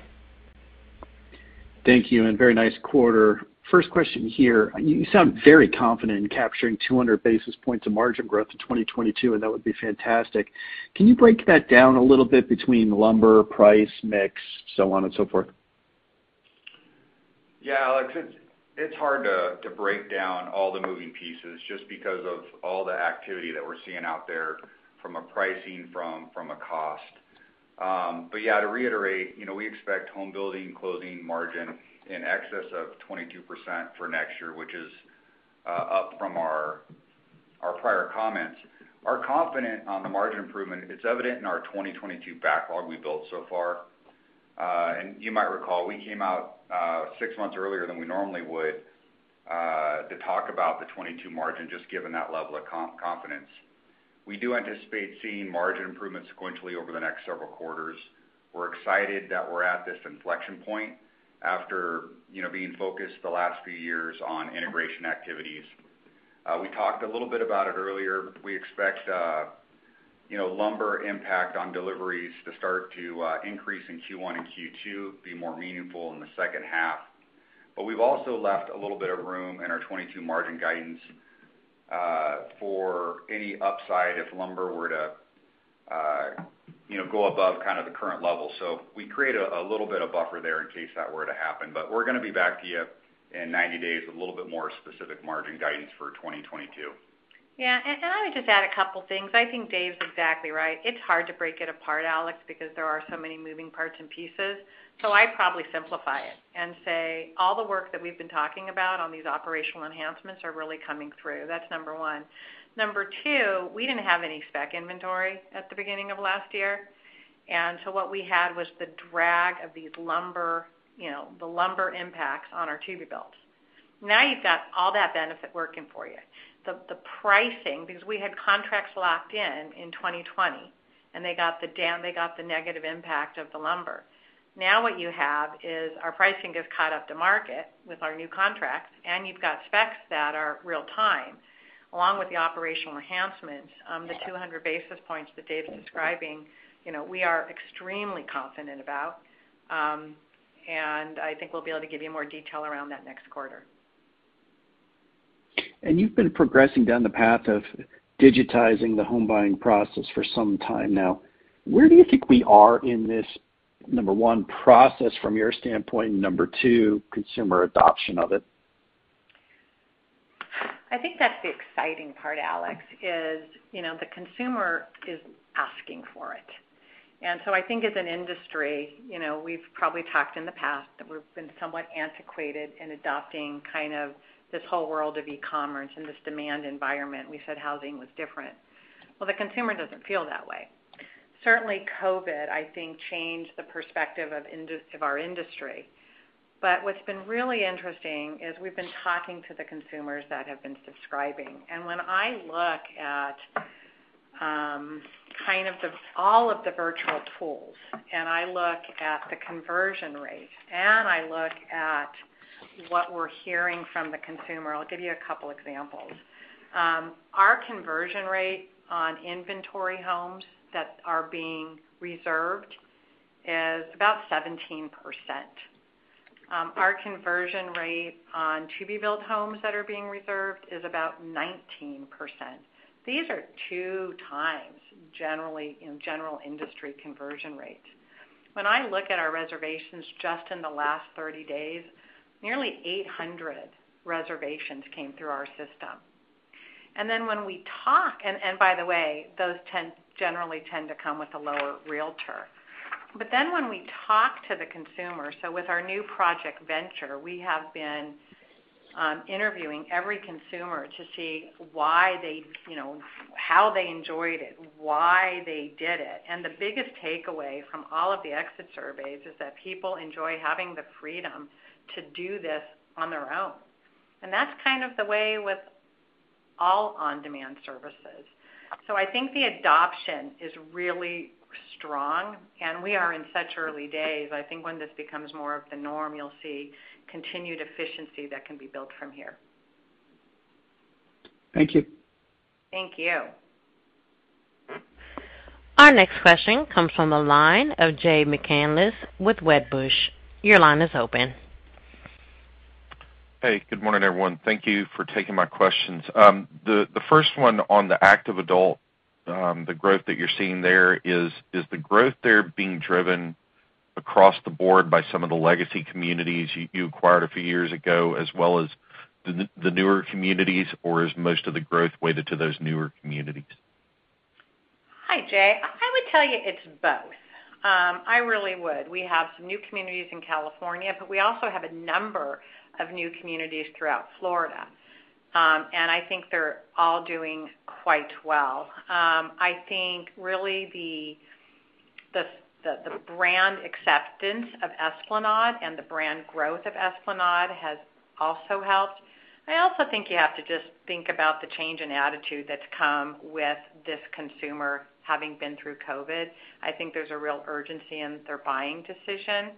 Thank you, and very nice quarter. First question here. You sound very confident in capturing 200 basis points of margin growth to 2022, and that would be fantastic. Can you break that down a little bit between lumber, price, mix, so on and so forth? Yeah, Alex, it's hard to break down all the moving pieces just because of all the activity that we're seeing out there from a pricing, from a cost. But yeah, to reiterate, you know, we expect home building closing margin in excess of 22% for next year, which is up from our prior comments. We're confident on the margin improvement. It's evident in our 2022 backlog we built so far. You might recall, we came out 6 months earlier than we normally would to talk about the 2022 margin, just given that level of confidence. We do anticipate seeing margin improvements sequentially over the next several quarters. We're excited that we're at this inflection point after, you know, being focused the last few years on integration activities. We talked a little bit about it earlier. We expect, you know, lumber impact on deliveries to start to increase in Q1 and Q2, be more meaningful in the second half. We've also left a little bit of room in our 2022 margin guidance, for any upside if lumber were to, you know, go above kind of the current level. We create a little bit of buffer there in case that were to happen. We're gonna be back to you in 90 days with a little bit more specific margin guidance for 2022. Yeah. I would just add a couple things. I think Dave's exactly right. It's hard to break it apart, Alex, because there are so many moving parts and pieces. I'd probably simplify it and say all the work that we've been talking about on these operational enhancements are really coming through. That's number one. Number two, we didn't have any spec inventory at the beginning of last year, and so what we had was the drag of these lumber, you know, the lumber impacts on our to-be builds. Now, you've got all that benefit working for you. The pricing, because we had contracts locked in in 2020, and they got the negative impact of the lumber. Now what you have is our pricing has caught up to market with our new contracts, and you've got specs that are real time, along with the operational enhancements, the 200 basis points that Dave's describing, you know, we are extremely confident about. I think we'll be able to give you more detail around that next quarter. You've been progressing down the path of digitizing the home buying process for some time now. Where do you think we are in this, number one, process from your standpoint, and number two, consumer adoption of it? I think that's the exciting part, Alex, is, you know, the consumer is asking for it. I think as an industry, you know, we've probably talked in the past that we've been somewhat antiquated in adopting kind of this whole world of e-commerce in this demand environment. We said housing was different. Well, the consumer doesn't feel that way. Certainly, COVID, I think, changed the perspective of our industry. What's been really interesting is we've been talking to the consumers that have been subscribing. When I look at, kind of the, all of the virtual tools, and I look at the conversion rate, and I look at what we're hearing from the consumer. I'll give you a couple examples. Our conversion rate on inventory homes that are being reserved is about 17%. Our conversion rate on to-be-built homes that are being reserved is about 19%. These are 2x generally in general industry conversion rates. When I look at our reservations just in the last 30 days, nearly 800 reservations came through our system. By the way, those generally tend to come with a lower realtor. When we talk to the consumer, with our new project Venture, we have been interviewing every consumer to see why they, you know, how they enjoyed it, why they did it. The biggest takeaway from all of the exit surveys is that people enjoy having the freedom to do this on their own. That's kind of the way with all on-demand services. I think the adoption is really strong, and we are in such early days. I think when this becomes more of the norm, you'll see continued efficiency that can be built from here. Thank you. Thank you. Our next question comes from the line of Jay McCanless with Wedbush. Your line is open. Hey, good morning, everyone. Thank you for taking my questions. The first one on the active adult, the growth that you're seeing there, is the growth there being driven across the board by some of the legacy communities you acquired a few years ago as well as the newer communities, or is most of the growth weighted to those newer communities? Hi, Jay. I would tell you it's both. I really would. We have some new communities in California, but we also have a number of new communities throughout Florida. I think they're all doing quite well. I think really the brand acceptance of Esplanade and the brand growth of Esplanade has also helped. I also think you have to just think about the change in attitude that's come with this consumer having been through COVID. I think there's a real urgency in their buying decision.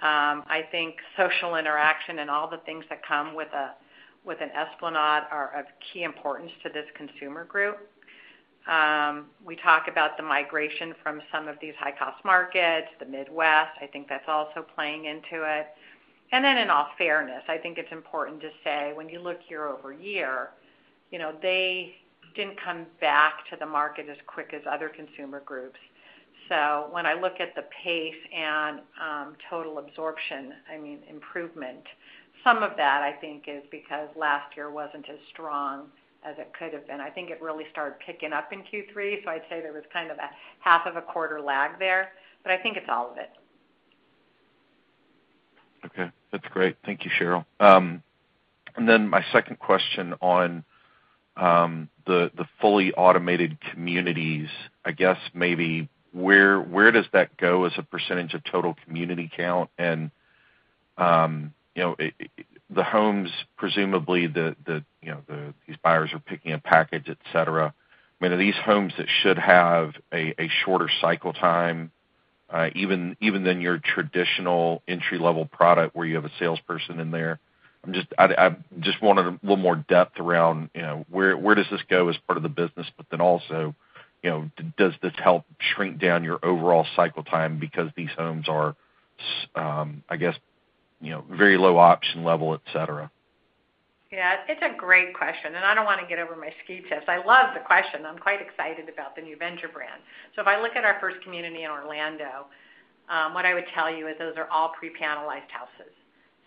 I think social interaction and all the things that come with an Esplanade are of key importance to this consumer group. We talk about the migration from some of these high-cost markets, the Midwest. I think that's also playing into it. In all fairness, I think it's important to say when you look year-over-year, you know, they didn't come back to the market as quick as other consumer groups. When I look at the pace and total absorption, I mean, improvement, some of that, I think, is because last year wasn't as strong as it could have been. I think it really started picking up in Q3, so I'd say there was kind of a half of a quarter lag there, but I think it's all of it. Okay. That's great. Thank you, Sheryl. My second question on the fully automated communities. I guess maybe where does that go as a percentage of total community count? You know, the homes, presumably the, you know, these buyers are picking a package, et cetera. I mean, are these homes that should have a shorter cycle time, even than your traditional entry-level product where you have a salesperson in there? I'm just I just wanted a little more depth around, you know, where does this go as part of the business, but then also, you know, does this help shrink down your overall cycle time because these homes are, I guess, you know, very low option level, et cetera. Yeah. It's a great question, and I don't wanna get ahead of my skis. I love the question. I'm quite excited about the new Venture brand. If I look at our first community in Orlando, what I would tell you is those are all pre-panelized houses.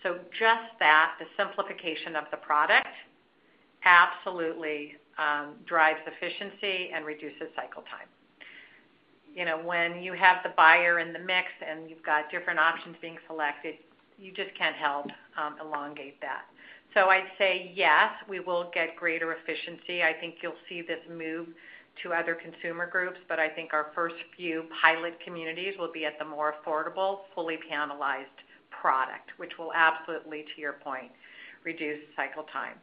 Just that, the simplification of the product absolutely drives efficiency and reduces cycle time. You know, when you have the buyer in the mix and you've got different options being selected, you just can't help elongate that. I'd say, yes, we will get greater efficiency. I think you'll see this move to other consumer groups, but I think our first few pilot communities will be at the more affordable, fully panelized product, which will absolutely, to your point, reduce cycle time.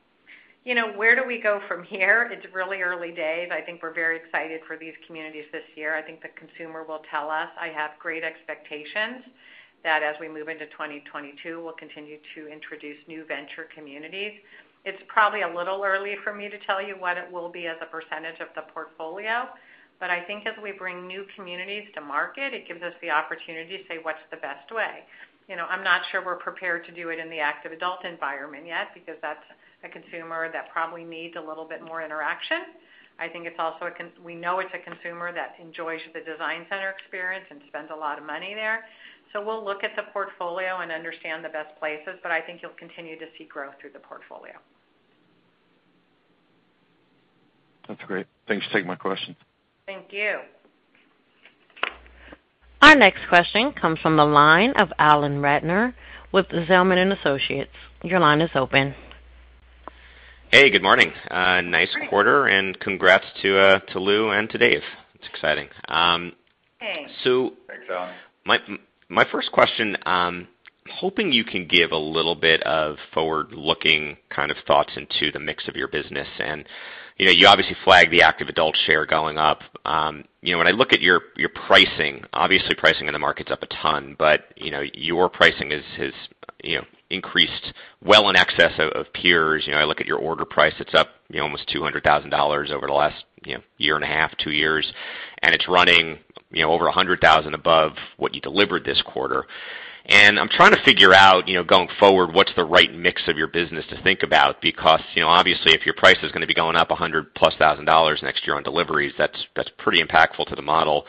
You know, where do we go from here? It's really early days. I think we're very excited for these communities this year. I think the consumer will tell us. I have great expectations that as we move into 2022, we'll continue to introduce new Venture communities. It's probably a little early for me to tell you what it will be as a percentage of the portfolio, but I think as we bring new communities to market, it gives us the opportunity to say, what's the best way? You know, I'm not sure we're prepared to do it in the active adult environment yet because that's a consumer that probably needs a little bit more interaction. I think it's also, we know it's a consumer that enjoys the design center experience and spends a lot of money there. We'll look at the portfolio and understand the best places, but I think you'll continue to see growth through the portfolio. That's great. Thanks for taking my question. Thank you. Our next question comes from the line of Alan Ratner with Zelman & Associates. Your line is open. Hey, good morning. Nice quarter, and congrats to Lou and Dave. It's exciting. Thanks. So- Thanks, Alan. My first question, hoping you can give a little bit of forward-looking kind of thoughts into the mix of your business. You know, you obviously flagged the active adult share going up. You know, when I look at your pricing, obviously pricing in the market's up a ton, but you know, your pricing is increased well in excess of peers. You know, I look at your order price. It's up almost $200,000 over the last 1.5, two years, and it's running over $100,000 above what you delivered this quarter. I'm trying to figure out, you know, going forward, what's the right mix of your business to think about. You know, obviously, if your price is gonna be going up $100,000+ next year on deliveries, that's pretty impactful to the model.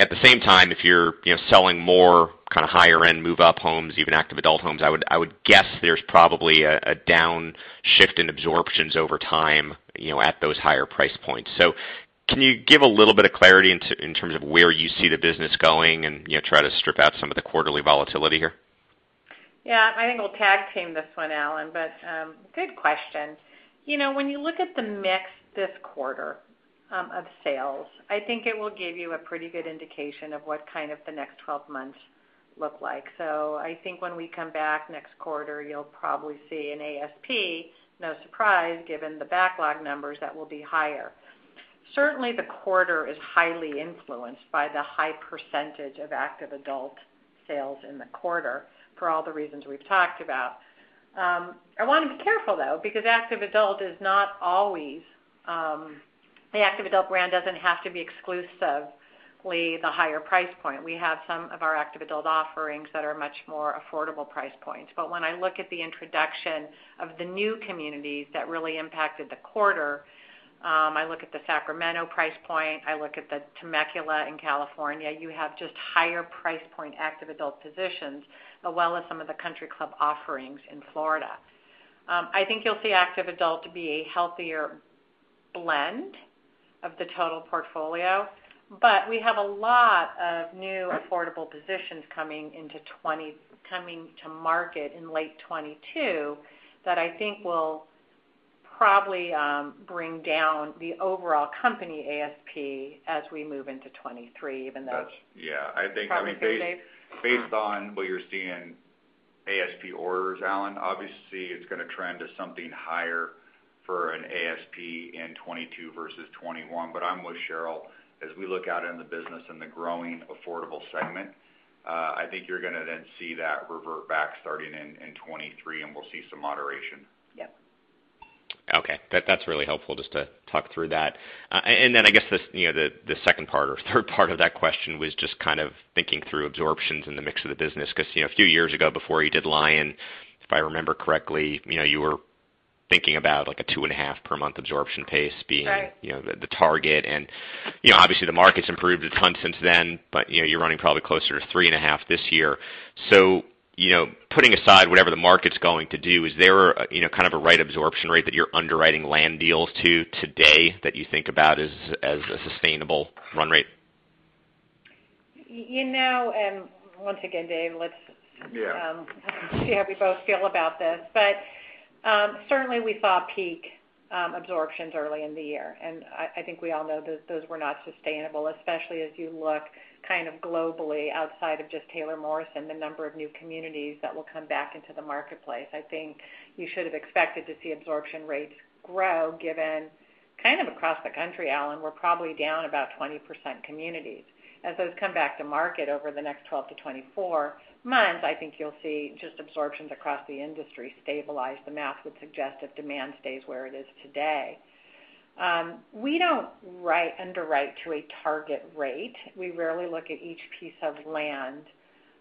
At the same time, if you're, you know, selling more kinda higher end move-up homes, even active adult homes, I would guess there's probably a downshift in absorptions over time, you know, at those higher price points. Can you give a little bit of clarity in terms of where you see the business going and, you know, try to strip out some of the quarterly volatility here? Yeah. I think we'll tag team this one, Alan. Good question. You know, when you look at the mix this quarter, of sales, I think it will give you a pretty good indication of what kind of the next 12 months look like. I think when we come back next quarter, you'll probably see an ASP, no surprise, given the backlog numbers, that will be higher. Certainly, the quarter is highly influenced by the high percentage of active adult sales in the quarter for all the reasons we've talked about. I wanna be careful, though, because active adult is not always. The active adult brand doesn't have to be exclusively the higher price point. We have some of our active adult offerings that are much more affordable price points. When I look at the introduction of the new communities that really impacted the quarter, I look at the Sacramento price point, I look at the Temecula in California, you have just higher price point active adult positions, as well as some of the country club offerings in Florida. I think you'll see active adult be a healthier blend of the total portfolio, but we have a lot of new affordable positions coming to market in late 2022 that I think will probably bring down the overall company ASP as we move into 2023, even though. I think, I mean, based You wanna say, Dave? Based on what you're seeing ASP orders, Alan, obviously, it's gonna trend to something higher for an ASP in 2022 versus 2021. I'm with Sheryl. As we look out in the business in the growing affordable segment, I think you're gonna then see that revert back starting in 2023, and we'll see some moderation. Yep. Okay. That's really helpful just to talk through that. I guess the second part or third part of that question was just kind of thinking through absorptions in the mix of the business. 'Cause, you know, a few years ago, before you did William Lyon Homes, if I remember correctly, you know, you were thinking about, like, a 2.5 per month absorption pace being- Right you know, the target. You know, obviously, the market's improved a ton since then, but you know, you're running probably closer to 3.5 this year. You know, putting aside whatever the market's going to do, is there you know, kind of a right absorption rate that you're underwriting land deals to today that you think about as a sustainable run rate? You know, once again, Dave, let's Yeah see how we both feel about this. Certainly, we saw peak absorptions early in the year, and I think we all know those were not sustainable, especially as you look kind of globally outside of just Taylor Morrison, the number of new communities that will come back into the marketplace. I think you should have expected to see absorption rates grow given kind of across the country, Alan, we're probably down about 20% communities. As those come back to market over the next 12 to 24 months, I think you'll see just absorptions across the industry stabilize. The math would suggest if demand stays where it is today. We don't underwrite to a target rate. We rarely look at each piece of land.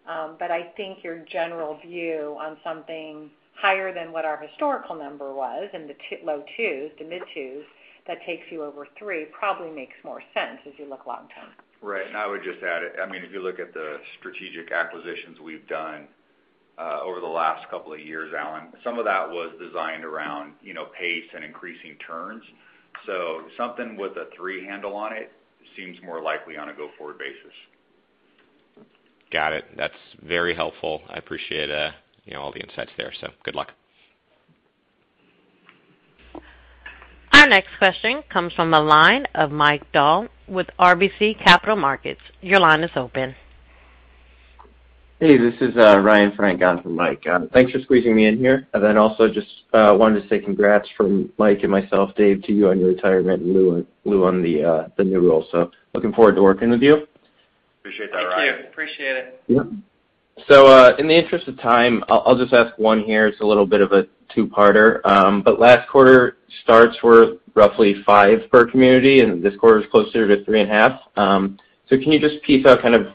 I think your general view on something higher than what our historical number was in the low 2% to mid 2%, that takes you over 3% probably makes more sense as you look long term. Right. I would just add, I mean, if you look at the strategic acquisitions we've done over the last couple of years, Alan, some of that was designed around, you know, pace and increasing turns. Something with a three handle on it seems more likely on a go-forward basis. Got it. That's very helpful. I appreciate, you know, all the insights there, so good luck. Our next question comes from the line of Mike Dahl with RBC Capital Markets. Your line is open. Hey, this is Ryan Frank on for Mike. Thanks for squeezing me in here. Also just wanted to say congrats from Mike and myself, Dave, to you on your retirement, and Lou on the new role. Looking forward to working with you. Appreciate that, Ryan. Thank you. Appreciate it. Yep. In the interest of time, I'll just ask one here. It's a little bit of a two-parter. Last quarter, starts were roughly five per community, and this quarter is closer to 3.5. Can you just piece out kind of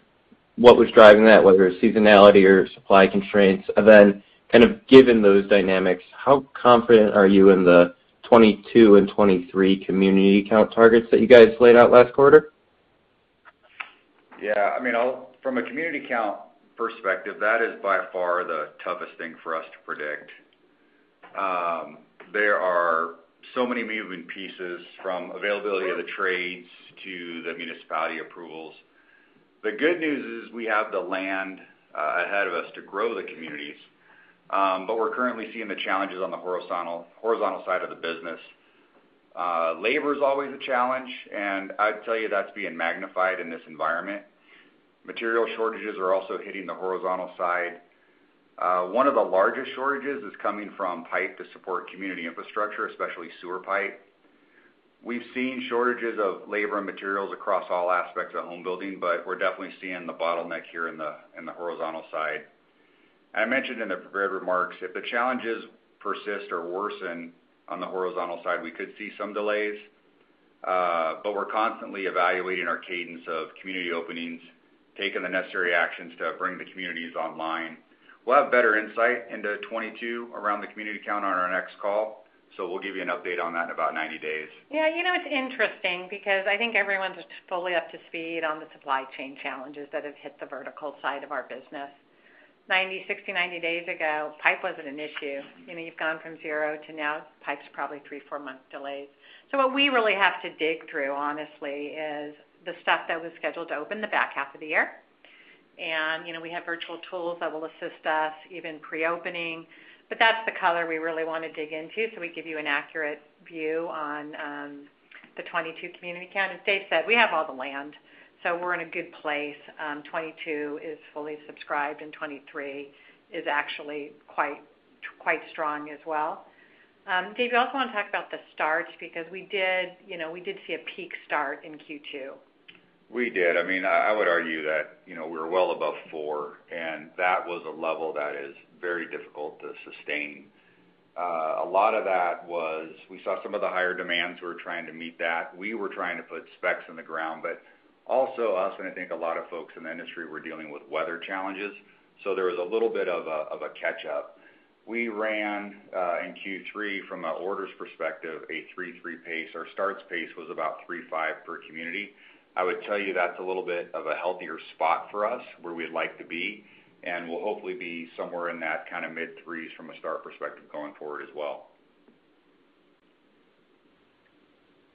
what was driving that, whether it's seasonality or supply constraints? Then kind of given those dynamics, how confident are you in the 2022 and 2023 community count targets that you guys laid out last quarter? Yeah. I mean, from a community count perspective, that is by far the toughest thing for us to predict. There are so many moving pieces from availability of the trades to the municipality approvals. The good news is we have the land ahead of us to grow the communities, but we're currently seeing the challenges on the horizontal side of the business. Labor is always a challenge, and I'd tell you that's being magnified in this environment. Material shortages are also hitting the horizontal side. One of the largest shortages is coming from pipe to support community infrastructure, especially sewer pipe. We've seen shortages of labor and materials across all aspects of home building, but we're definitely seeing the bottleneck here in the horizontal side. I mentioned in the prepared remarks, if the challenges persist or worsen on the horizontal side, we could see some delays. We're constantly evaluating our cadence of community openings, taking the necessary actions to bring the communities online. We'll have better insight into 2022 around the community count on our next call, so we'll give you an update on that in about 90 days. Yeah. You know, it's interesting because I think everyone's fully up to speed on the supply chain challenges that have hit the vertical side of our business. 90, 60, 90 days ago, pipe wasn't an issue. You know, you've gone from zero to now pipe's probably 3-4-month delays. So what we really have to dig through, honestly, is the stuff that was scheduled to open the back half of the year. You know, we have virtual tools that will assist us even pre-opening, but that's the color we really wanna dig into, so we give you an accurate view on the 2022 community count. Dave said, we have all the land, so we're in a good place. 2022 is fully subscribed, and 2023 is actually quite strong as well. Dave, you also wanna talk about the starts because we did, you know, we did see a peak start in Q2. We did. I mean, I would argue that, you know, we were well above four, and that was a level that is very difficult to sustain. A lot of that was we saw some of the higher demands, we were trying to meet that. We were trying to put specs in the ground, but also us, and I think a lot of folks in the industry were dealing with weather challenges, so there was a little bit of a catch up. We ran in Q3 from a orders perspective, a 3.3 pace. Our starts pace was about 3.5 per community. I would tell you that's a little bit of a healthier spot for us, where we'd like to be, and we'll hopefully be somewhere in that kinda mid-3s from a start perspective going forward as well.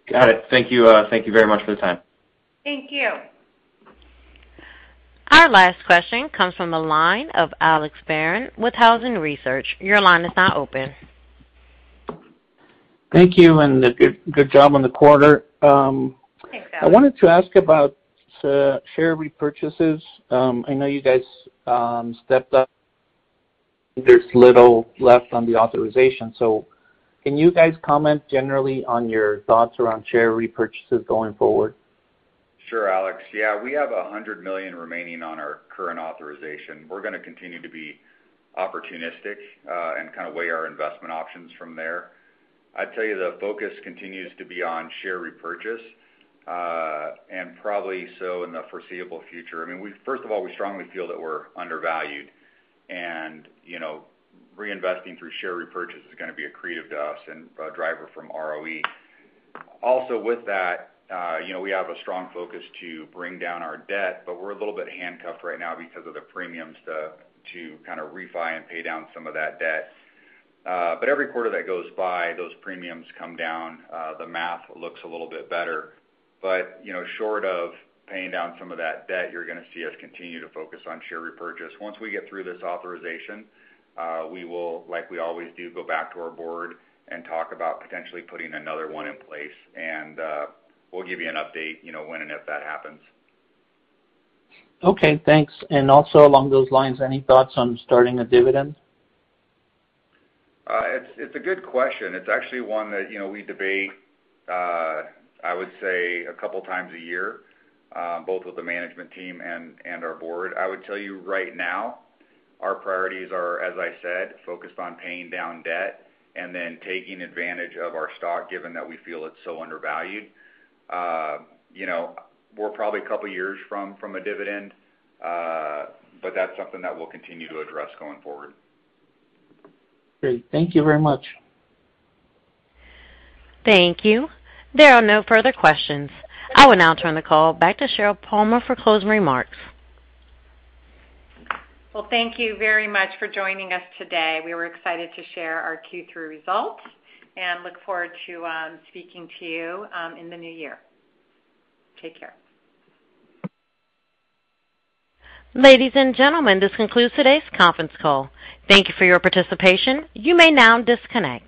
Got it. Thank you very much for the time. Thank you. Our last question comes from the line of Alex Barron with Housing Research Center. Your line is now open. Thank you and good job on the quarter. Thanks, Alex. I wanted to ask about share repurchases. I know you guys stepped up. There's little left on the authorization, so can you guys comment generally on your thoughts around share repurchases going forward? Sure, Alex. Yeah. We have $100 million remaining on our current authorization. We're gonna continue to be opportunistic, and kinda weigh our investment options from there. I'd tell you the focus continues to be on share repurchase, and probably so in the foreseeable future. I mean, First of all, we strongly feel that we're undervalued. You know, reinvesting through share repurchase is gonna be accretive to us and a driver from ROE. Also, with that, you know, we have a strong focus to bring down our debt, but we're a little bit handcuffed right now because of the premiums to kinda refi and pay down some of that debt. But every quarter that goes by, those premiums come down, the math looks a little bit better. You know, short of paying down some of that debt, you're gonna see us continue to focus on share repurchase. Once we get through this authorization, we will, like we always do, go back to our board and talk about potentially putting another one in place. We'll give you an update, you know, when and if that happens. Okay, thanks. Also along those lines, any thoughts on starting a dividend? It's a good question. It's actually one that, you know, we debate, I would say a couple times a year, both with the management team and our board. I would tell you right now, our priorities are, as I said, focused on paying down debt and then taking advantage of our stock, given that we feel it's so undervalued. You know, we're probably a couple years from a dividend. That's something that we'll continue to address going forward. Great. Thank you very much. Thank you. There are no further questions. I will now turn the call back to Sheryl Palmer for closing remarks. Well, thank you very much for joining us today. We were excited to share our Q3 results and look forward to speaking to you in the new year. Take care. Ladies and gentlemen, this concludes today's conference call. Thank you for your participation. You may now disconnect.